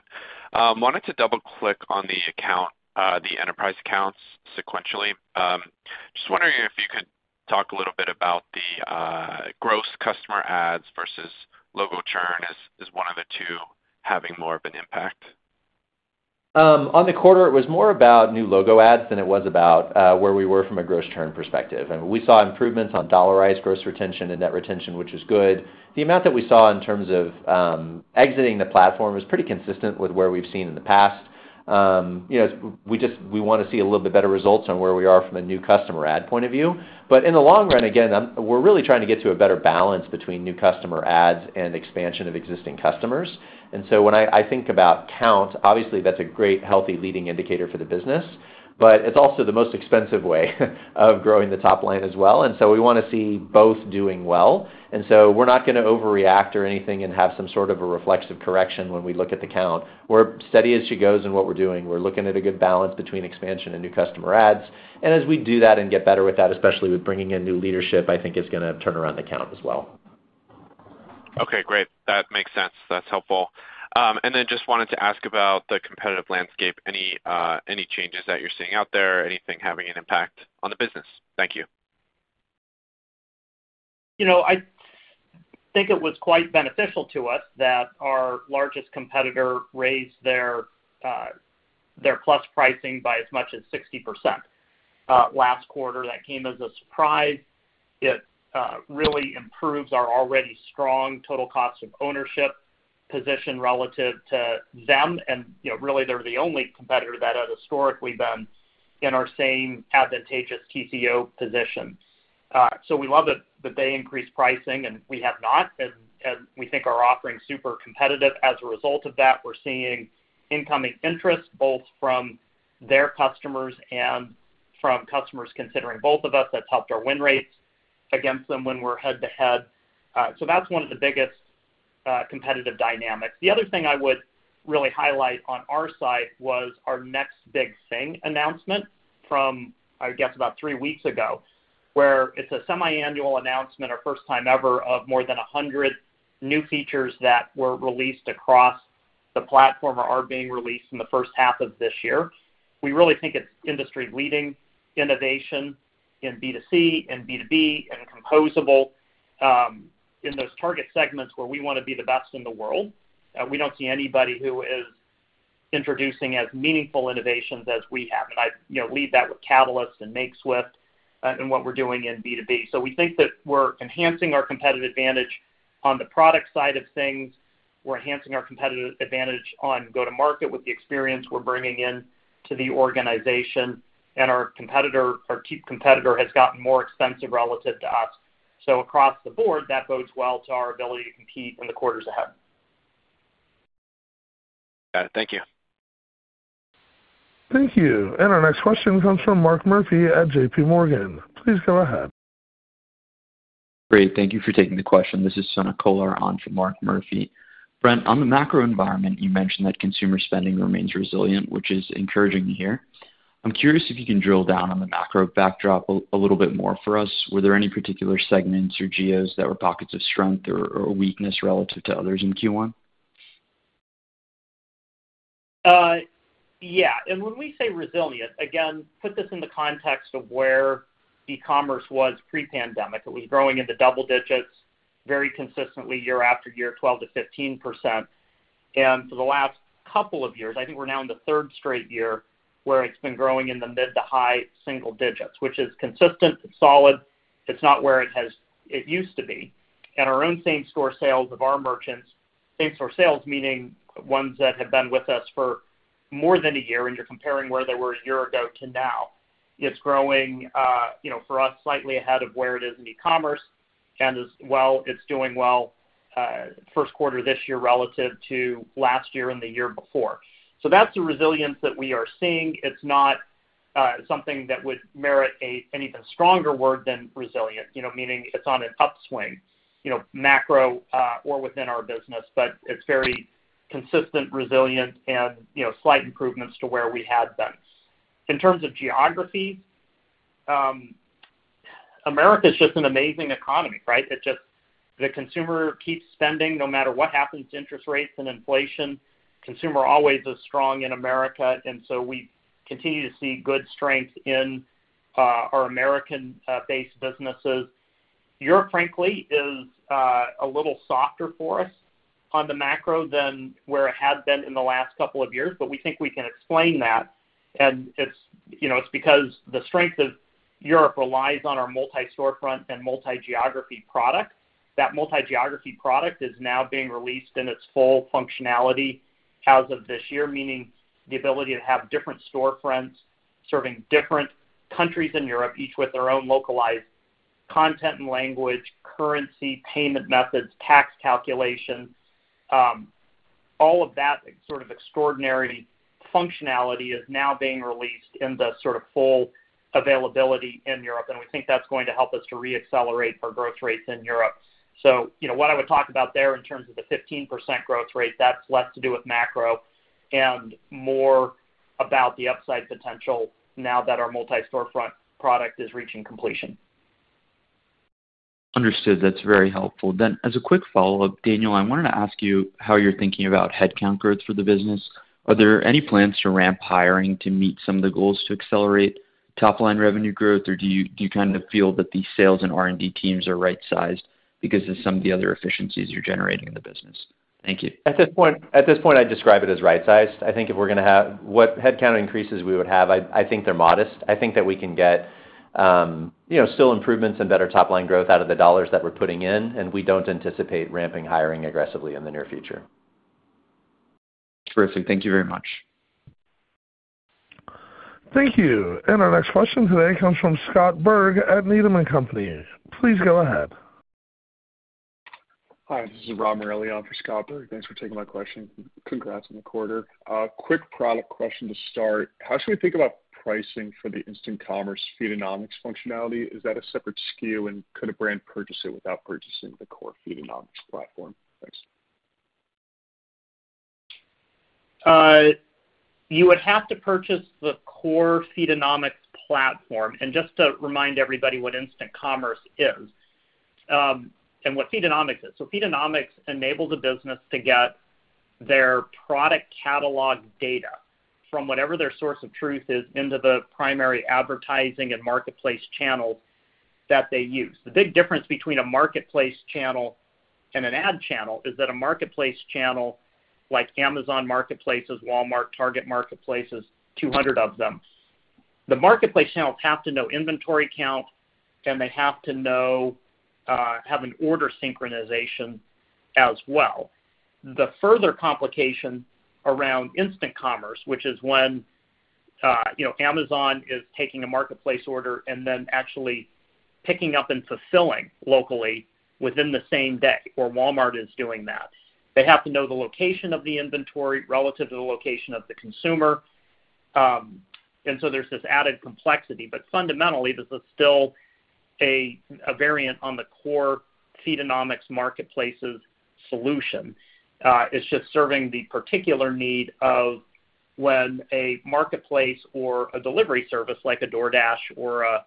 Wanted to double-click on the enterprise accounts sequentially. Just wondering if you could talk a little bit about the gross customer adds versus logo churn as one of the two having more of an impact. On the quarter, it was more about new logo adds than it was about where we were from a gross churn perspective. I mean, we saw improvements on dollarized gross retention, and net retention, which is good. The amount that we saw in terms of exiting the platform was pretty consistent with where we've seen in the past. We want to see a little bit better results on where we are from a new customer add point of view. But in the long run, again, we're really trying to get to a better balance between new customer add and expansion of existing customers. And so when I think about count, obviously, that's a great, healthy leading indicator for the business, but it's also the most expensive way of growing the top line as well. And so we want to see both doing well. So we're not going to overreact or anything and have some sort of a reflexive correction when we look at the count. We're steady as she goes in what we're doing. We're looking at a good balance between expansion and new customer adds. And as we do that and get better with that, especially with bringing in new leadership, I think it's going to turn around the count as well. Okay. Great. That makes sense. That's helpful. And then just wanted to ask about the competitive landscape. Any changes that you're seeing out there, anything having an impact on the business? Thank you. I think it was quite beneficial to us that our largest competitor raised their Plus pricing by as much as 60% last quarter. That came as a surprise. It really improves our already strong total cost of ownership position relative to them. And really, they're the only competitor that had historically been in our same advantageous TCO position. So we love that they increased pricing, and we have not. And we think our offering's super competitive. As a result of that, we're seeing incoming interest both from their customers and from customers considering both of us. That's helped our win rates against them when we're head to head. So that's one of the biggest competitive dynamics. The other thing I would really highlight on our side was our Next Big Thing announcement from, I guess, about three weeks ago, where it's a semi-annual announcement, our first time ever, of more than 100 new features that were released across the platform or are being released in the first half of this year. We really think it's industry-leading innovation in B2C and B2B and composable in those target segments where we want to be the best in the world. We don't see anybody who is introducing as meaningful innovations as we have. And I lead that with Catalyst and Makeswift and what we're doing in B2B. So we think that we're enhancing our competitive advantage on the product side of things. We're enhancing our competitive advantage on go-to-market with the experience we're bringing into the organization. And our key competitor has gotten more expensive relative to us. Across the board, that bodes well to our ability to compete in the quarters ahead. Got it. Thank you. Thank you. Our next question comes from Mark Murphy at JPMorgan. Please go ahead. Great. Thank you for taking the question. This is Sonak Kolar on from Mark Murphy. Brent, on the macro environment, you mentioned that consumer spending remains resilient, which is encouraging to hear. I'm curious if you can drill down on the macro backdrop a little bit more for us. Were there any particular segments or geos that were pockets of strength or weakness relative to others in Q1? Yeah. And when we say resilience, again, put this in the context of where e-commerce was pre-pandemic. It was growing in the double digits very consistently year after year, 12%-15%. And for the last couple of years, I think we're now in the third straight year where it's been growing in the mid- to high-single digits, which is consistent. It's solid. It's not where it used to be. And our own same-store sales of our merchants same-store sales, meaning ones that have been with us for more than a year, and you're comparing where they were a year ago to now, it's growing for us slightly ahead of where it is in e-commerce, and as well it's doing well first quarter this year relative to last year and the year before. So that's the resilience that we are seeing. It's not something that would merit an even stronger word than resilient, meaning it's on an upswing macro or within our business, but it's very consistent resilient and slight improvements to where we had been. In terms of geography, Americas is just an amazing economy, right? The consumer keeps spending no matter what happens to interest rates and inflation. Consumer always is strong in America, and so we continue to see good strength in our American-based businesses. Europe, frankly, is a little softer for us on the macro than where it had been in the last couple of years, but we think we can explain that. And it's because the strength of Europe relies on our Multi-Storefront and multi-geography product. That multi-geography product is now being released in its full functionality as of this year, meaning the ability to have different storefronts serving different countries in Europe, each with their own localized content and language, currency, payment methods, tax calculation. All of that sort of extraordinary functionality is now being released in the sort of full availability in Europe, and we think that's going to help us to reaccelerate our growth rates in Europe. So what I would talk about there in terms of the 15% growth rate, that's less to do with macro and more about the upside potential now that our multi-storefront product is reaching completion. Understood. That's very helpful. Then as a quick follow-up, Daniel, I wanted to ask you how you're thinking about headcount growth for the business. Are there any plans to ramp hiring to meet some of the goals to accelerate top-line revenue growth, or do you kind of feel that the sales and R&D teams are right-sized because of some of the other efficiencies you're generating in the business? Thank you. At this point, I'd describe it as right-sized. I think if we're going to have what headcount increases we would have, I think they're modest. I think that we can get still improvements and better top-line growth out of the dollars that we're putting in, and we don't anticipate ramping hiring aggressively in the near future. Terrific. Thank you very much. Thank you. Our next question today comes from Scott Berg at Needham & Company. Please go ahead. Hi. This is Rob Morelli for Scott Berg. Thanks for taking my question. Congrats on the quarter. Quick product question to start. How should we think about pricing for the Instant Commerce Feedonomics functionality? Is that a separate SKU, and could a brand purchase it without purchasing the core Feedonomics platform? Thanks. You would have to purchase the core Feedonomics platform. Just to remind everybody what Instant Commerce is and what Feedonomics is. Feedonomics enables a business to get their product catalog data from whatever their source of truth is into the primary advertising and marketplace channels that they use. The big difference between a marketplace channel and an ad channel is that a marketplace channel like Amazon Marketplaces, Walmart, Target Marketplace—200 of them. The marketplace channels have to know inventory count, and they have to have an order synchronization as well. The further complication around Instant Commerce, which is when Amazon is taking a marketplace order and then actually picking up and fulfilling locally within the same day, or Walmart is doing that, they have to know the location of the inventory relative to the location of the consumer. There's this added complexity. Fundamentally, this is still a variant on the core Feedonomics marketplaces solution. It's just serving the particular need of when a marketplace or a delivery service like a DoorDash or an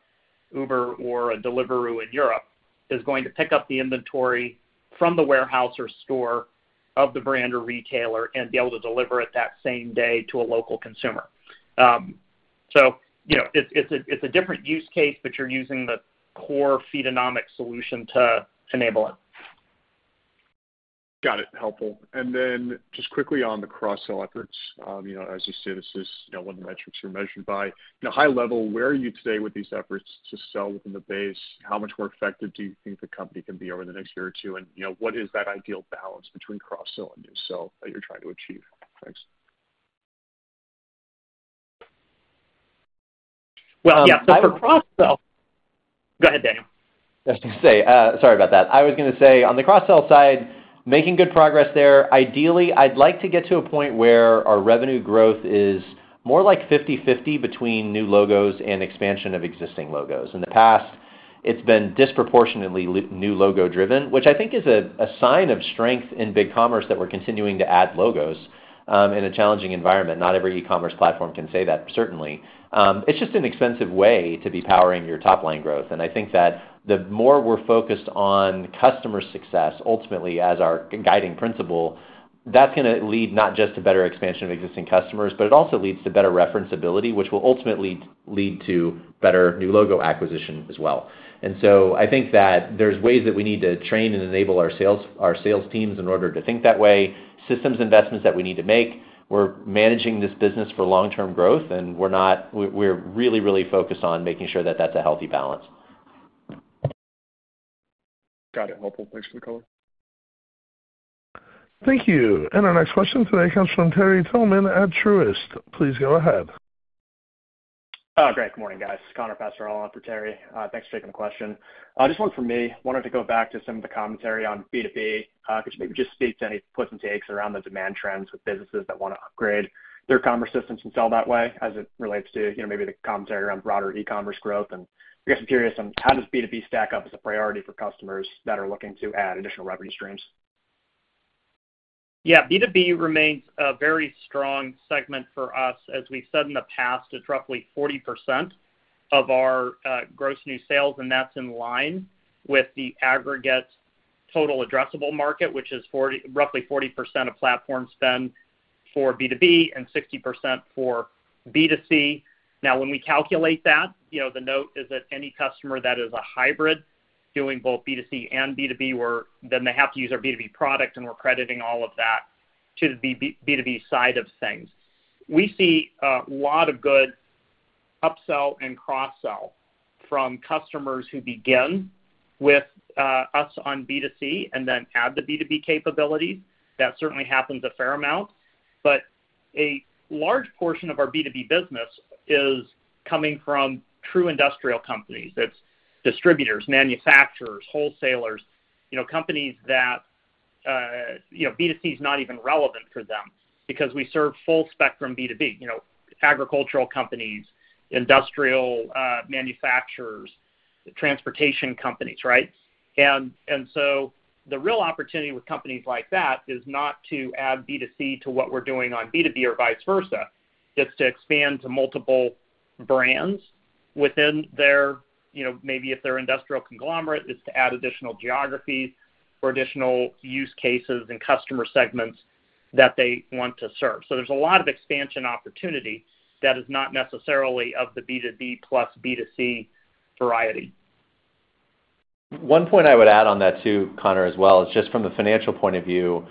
Uber or a Deliveroo in Europe is going to pick up the inventory from the warehouse or store of the brand or retailer and be able to deliver it that same day to a local consumer. So it's a different use case, but you're using the core Feedonomics solution to enable it. Got it. Helpful. And then just quickly on the cross-sell efforts. As you say, this is one of the metrics you're measured by. High level, where are you today with these efforts to sell within the base? How much more effective do you think the company can be over the next year or two? And what is that ideal balance between cross-sell and new sell that you're trying to achieve? Thanks. Well, yeah. So for cross-sell, go ahead, Daniel. I was going to say sorry about that. I was going to say on the cross-sell side, making good progress there. Ideally, I'd like to get to a point where our revenue growth is more like 50/50 between new logos and expansion of existing logos. In the past, it's been disproportionately new logo-driven, which I think is a sign of strength in BigCommerce that we're continuing to add logos in a challenging environment. Not every e-commerce platform can say that, certainly. It's just an expensive way to be powering your top-line growth. I think that the more we're focused on customer success ultimately as our guiding principle, that's going to lead not just to better expansion of existing customers, but it also leads to better referenceability, which will ultimately lead to better new logo acquisition as well. And so I think that there's ways that we need to train and enable our sales teams in order to think that way, systems investments that we need to make. We're managing this business for long-term growth, and we're really, really focused on making sure that that's a healthy balance. Got it. Helpful. Thanks for the call. Thank you. Our next question today comes from Terry Tillman at Truist. Please go ahead. Great. Good morning, guys. Connor Passarella on for Terry. Thanks for taking the question. Just one from me. Wanted to go back to some of the commentary on B2B. Could you maybe just speak to any puts and takes around the demand trends with businesses that want to upgrade their commerce systems and sell that way as it relates to maybe the commentary around broader e-commerce growth? And I guess I'm curious on how does B2B stack up as a priority for customers that are looking to add additional revenue streams? Yeah. B2B remains a very strong segment for us. As we've said in the past, it's roughly 40% of our gross new sales, and that's in line with the aggregate total addressable market, which is roughly 40% of platform spend for B2B and 60% for B2C. Now, when we calculate that, the note is that any customer that is a hybrid doing both B2C and B2B, then they have to use our B2B product, and we're crediting all of that to the B2B side of things. We see a lot of good upsell and cross-sell from customers who begin with us on B2C and then add the B2B capabilities. That certainly happens a fair amount. But a large portion of our B2B business is coming from true industrial companies. It's distributors, manufacturers, wholesalers, companies that B2C is not even relevant for them because we serve full-spectrum B2B: agricultural companies, industrial manufacturers, transportation companies, right? And so the real opportunity with companies like that is not to add B2C to what we're doing on B2B or vice versa. It's to expand to multiple brands within their maybe if they're an industrial conglomerate, it's to add additional geographies or additional use cases and customer segments that they want to serve. So there's a lot of expansion opportunity that is not necessarily of the B2B plus B2C variety. One point I would add on that too, Connor, as well is just from the financial point of view,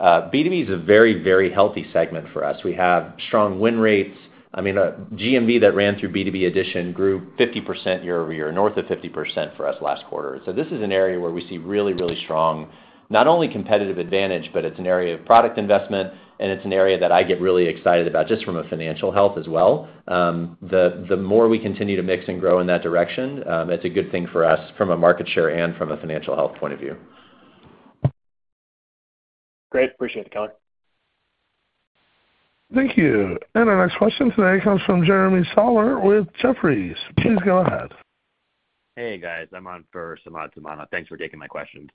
B2B is a very, very healthy segment for us. We have strong win rates. I mean, GMV that ran through B2B Edition grew 50% year-over-year, north of 50% for us last quarter. So this is an area where we see really, really strong not only competitive advantage, but it's an area of product investment, and it's an area that I get really excited about just from a financial health as well. The more we continue to mix and grow in that direction, it's a good thing for us from a market share and from a financial health point of view. Great. Appreciate it, Connor. Thank you. Our next question today comes from Jeremy Sahler with Jefferies. Please go ahead. Hey, guys. I'm on for Samad Samana. Thanks for taking my questions.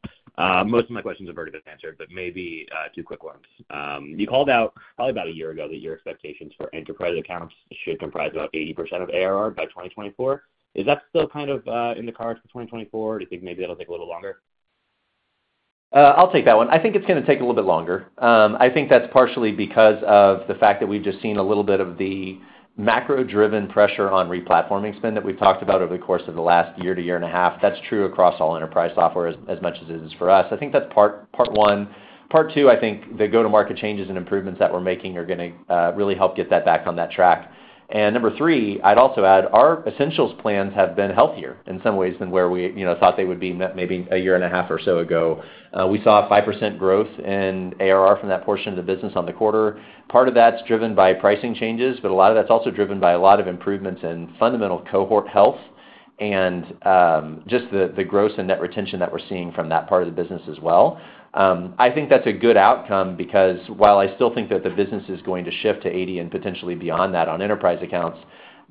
Most of my questions have already been answered, but maybe two quick ones. You called out probably about a year ago that your expectations for enterprise accounts should comprise about 80% of ARR by 2024. Is that still kind of in the cards for 2024, or do you think maybe that'll take a little longer? I'll take that one. I think it's going to take a little bit longer. I think that's partially because of the fact that we've just seen a little bit of the macro-driven pressure on replatforming spend that we've talked about over the course of the last year to year and a half. That's true across all enterprise software as much as it is for us. I think that's part one. Part two, I think the go-to-market changes and improvements that we're making are going to really help get that back on that track. And number three, I'd also add our essentials plans have been healthier in some ways than where we thought they would be met maybe a year and a half or so ago. We saw 5% growth in ARR from that portion of the business on the quarter. Part of that's driven by pricing changes, but a lot of that's also driven by a lot of improvements in fundamental cohort health and just the growth and net retention that we're seeing from that part of the business as well. I think that's a good outcome because while I still think that the business is going to shift to 80 and potentially beyond that on enterprise accounts,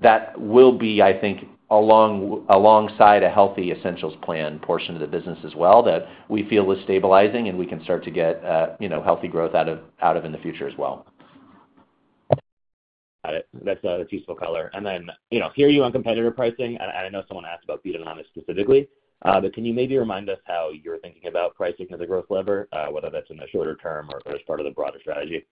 that will be, I think, alongside a healthy essentials plan portion of the business as well that we feel is stabilizing, and we can start to get healthy growth out of in the future as well. Got it. That's a helpful color. And then hear you on competitor pricing. And I know someone asked about Feedonomics specifically, but can you maybe remind us how you're thinking about pricing as a growth lever, whether that's in the shorter term or as part of the broader strategy?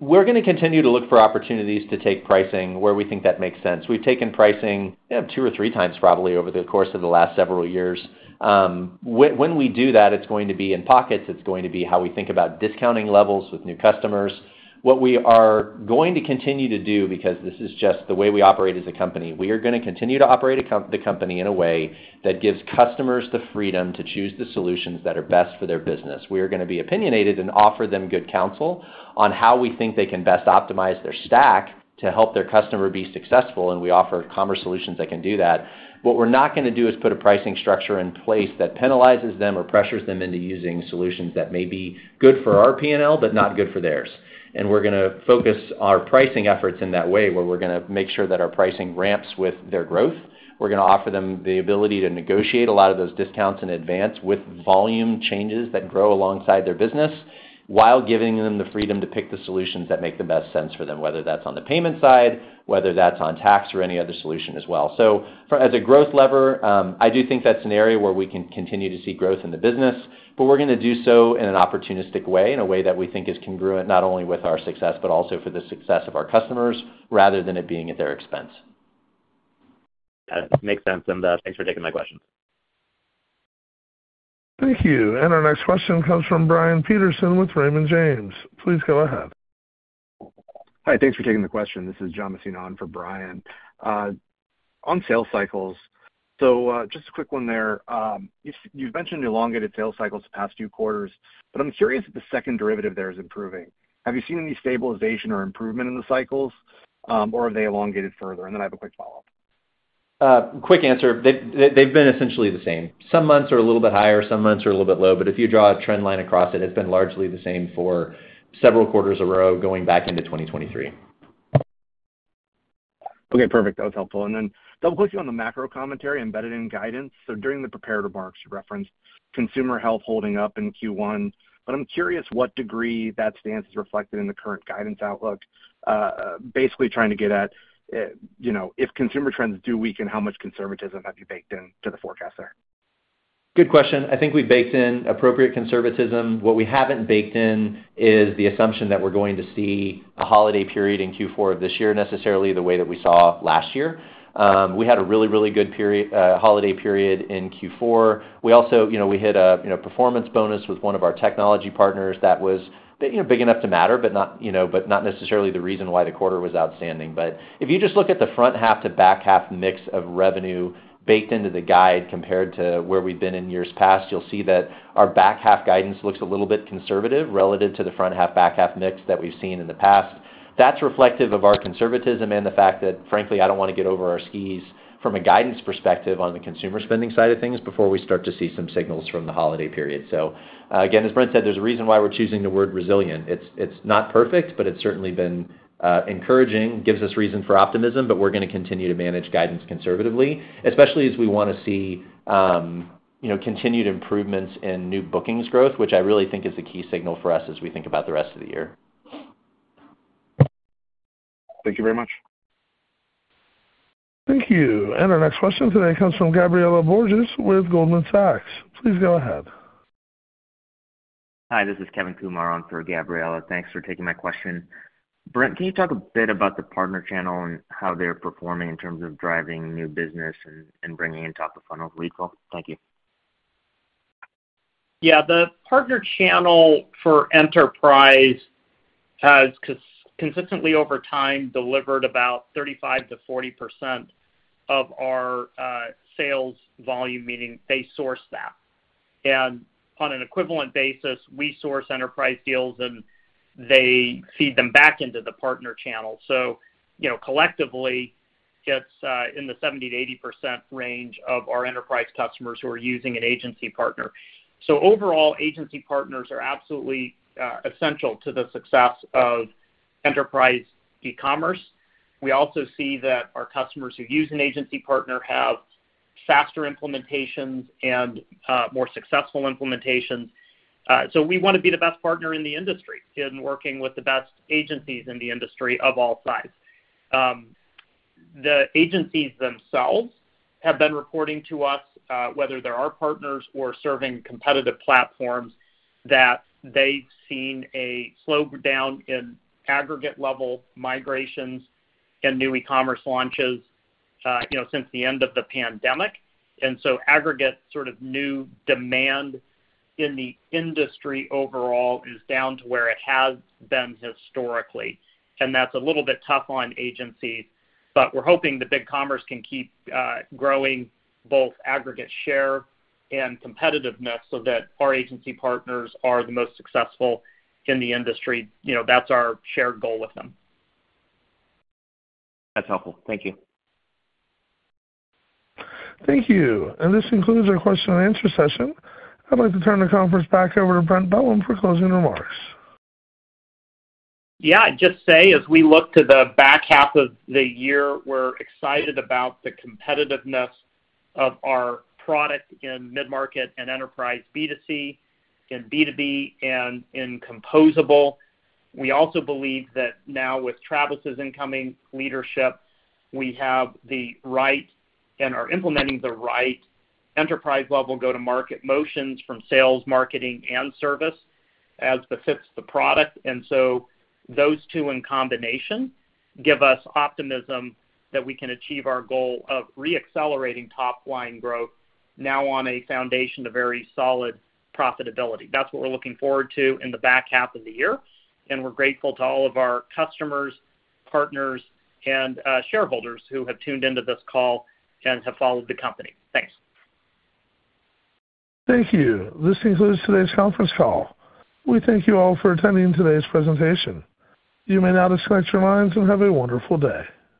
We're going to continue to look for opportunities to take pricing where we think that makes sense. We've taken pricing two or three times, probably, over the course of the last several years. When we do that, it's going to be in pockets. It's going to be how we think about discounting levels with new customers. What we are going to continue to do because this is just the way we operate as a company, we are going to continue to operate the company in a way that gives customers the freedom to choose the solutions that are best for their business. We are going to be opinionated and offer them good counsel on how we think they can best optimize their stack to help their customer be successful, and we offer commerce solutions that can do that. What we're not going to do is put a pricing structure in place that penalizes them or pressures them into using solutions that may be good for our P&L but not good for theirs. We're going to focus our pricing efforts in that way where we're going to make sure that our pricing ramps with their growth. We're going to offer them the ability to negotiate a lot of those discounts in advance with volume changes that grow alongside their business while giving them the freedom to pick the solutions that make the best sense for them, whether that's on the payment side, whether that's on tax, or any other solution as well. As a growth lever, I do think that's an area where we can continue to see growth in the business, but we're going to do so in an opportunistic way, in a way that we think is congruent not only with our success but also for the success of our customers rather than it being at their expense. Got it. Makes sense. Thanks for taking my questions. Thank you. And our next question comes from Brian Peterson with Raymond James. Please go ahead. Hi. Thanks for taking the question. This is John Maisonet for Brian. On sales cycles, so just a quick one there. You've mentioned elongated sales cycles the past few quarters, but I'm curious if the second derivative there is improving. Have you seen any stabilization or improvement in the cycles, or have they elongated further? And then I have a quick follow-up. Quick answer. They've been essentially the same. Some months are a little bit higher, some months are a little bit low. But if you draw a trend line across it, it's been largely the same for several quarters a row going back into 2023. Okay. Perfect. That was helpful. Then double-clicking on the macro commentary embedded in guidance. So during the prepared remarks, you referenced consumer health holding up in Q1, but I'm curious what degree that stance is reflected in the current guidance outlook. Basically, trying to get at if consumer trends do weaken, how much conservatism have you baked into the forecast there? Good question. I think we've baked in appropriate conservatism. What we haven't baked in is the assumption that we're going to see a holiday period in Q4 of this year necessarily the way that we saw last year. We had a really, really good holiday period in Q4. We also hit a performance bonus with one of our technology partners that was big enough to matter but not necessarily the reason why the quarter was outstanding. But if you just look at the front-half to back-half mix of revenue baked into the guide compared to where we've been in years past, you'll see that our back-half guidance looks a little bit conservative relative to the front-half, back-half mix that we've seen in the past. That's reflective of our conservatism and the fact that, frankly, I don't want to get over our skis from a guidance perspective on the consumer spending side of things before we start to see some signals from the holiday period. So again, as Brent said, there's a reason why we're choosing the word resilient. It's not perfect, but it's certainly been encouraging, gives us reason for optimism, but we're going to continue to manage guidance conservatively, especially as we want to see continued improvements in new bookings growth, which I really think is a key signal for us as we think about the rest of the year. Thank you very much. Thank you. And our next question today comes from Gabriela Borges with Goldman Sachs. Please go ahead. Hi. This is Kevin Kumar on for Gabriela. Thanks for taking my question. Brent, can you talk a bit about the partner channel and how they're performing in terms of driving new business and bringing in top-of-funnel lead flow? Thank you. Yeah. The partner channel for enterprise has consistently, over time, delivered about 35%-40% of our sales volume, meaning they source that. And on an equivalent basis, we source enterprise deals, and they feed them back into the partner channel. So collectively, it's in the 70%-80% range of our enterprise customers who are using an agency partner. So overall, agency partners are absolutely essential to the success of enterprise e-commerce. We also see that our customers who use an agency partner have faster implementations and more successful implementations. So we want to be the best partner in the industry in working with the best agencies in the industry of all sizes. The agencies themselves have been reporting to us, whether they're our partners or serving competitive platforms, that they've seen a slowdown in aggregate-level migrations and new e-commerce launches since the end of the pandemic. So aggregate sort of new demand in the industry overall is down to where it has been historically. That's a little bit tough on agencies, but we're hoping that BigCommerce can keep growing both aggregate share and competitiveness so that our agency partners are the most successful in the industry. That's our shared goal with them. That's helpful. Thank you. Thank you. This concludes our question-and-answer session. I'd like to turn the conference back over to Brent Bellm for closing remarks. Yeah. Just say, as we look to the back half of the year, we're excited about the competitiveness of our product in mid-market and enterprise B2C and B2B and in composable. We also believe that now, with Travis's incoming leadership, we have the right and are implementing the right enterprise-level go-to-market motions from sales, marketing, and service as befits the product. And so those two in combination give us optimism that we can achieve our goal of reaccelerating top-line growth now on a foundation of very solid profitability. That's what we're looking forward to in the back half of the year. And we're grateful to all of our customers, partners, and shareholders who have tuned into this call and have followed the company. Thanks. Thank you. This concludes today's conference call. We thank you all for attending today's presentation. You may now disconnect your lines and have a wonderful day.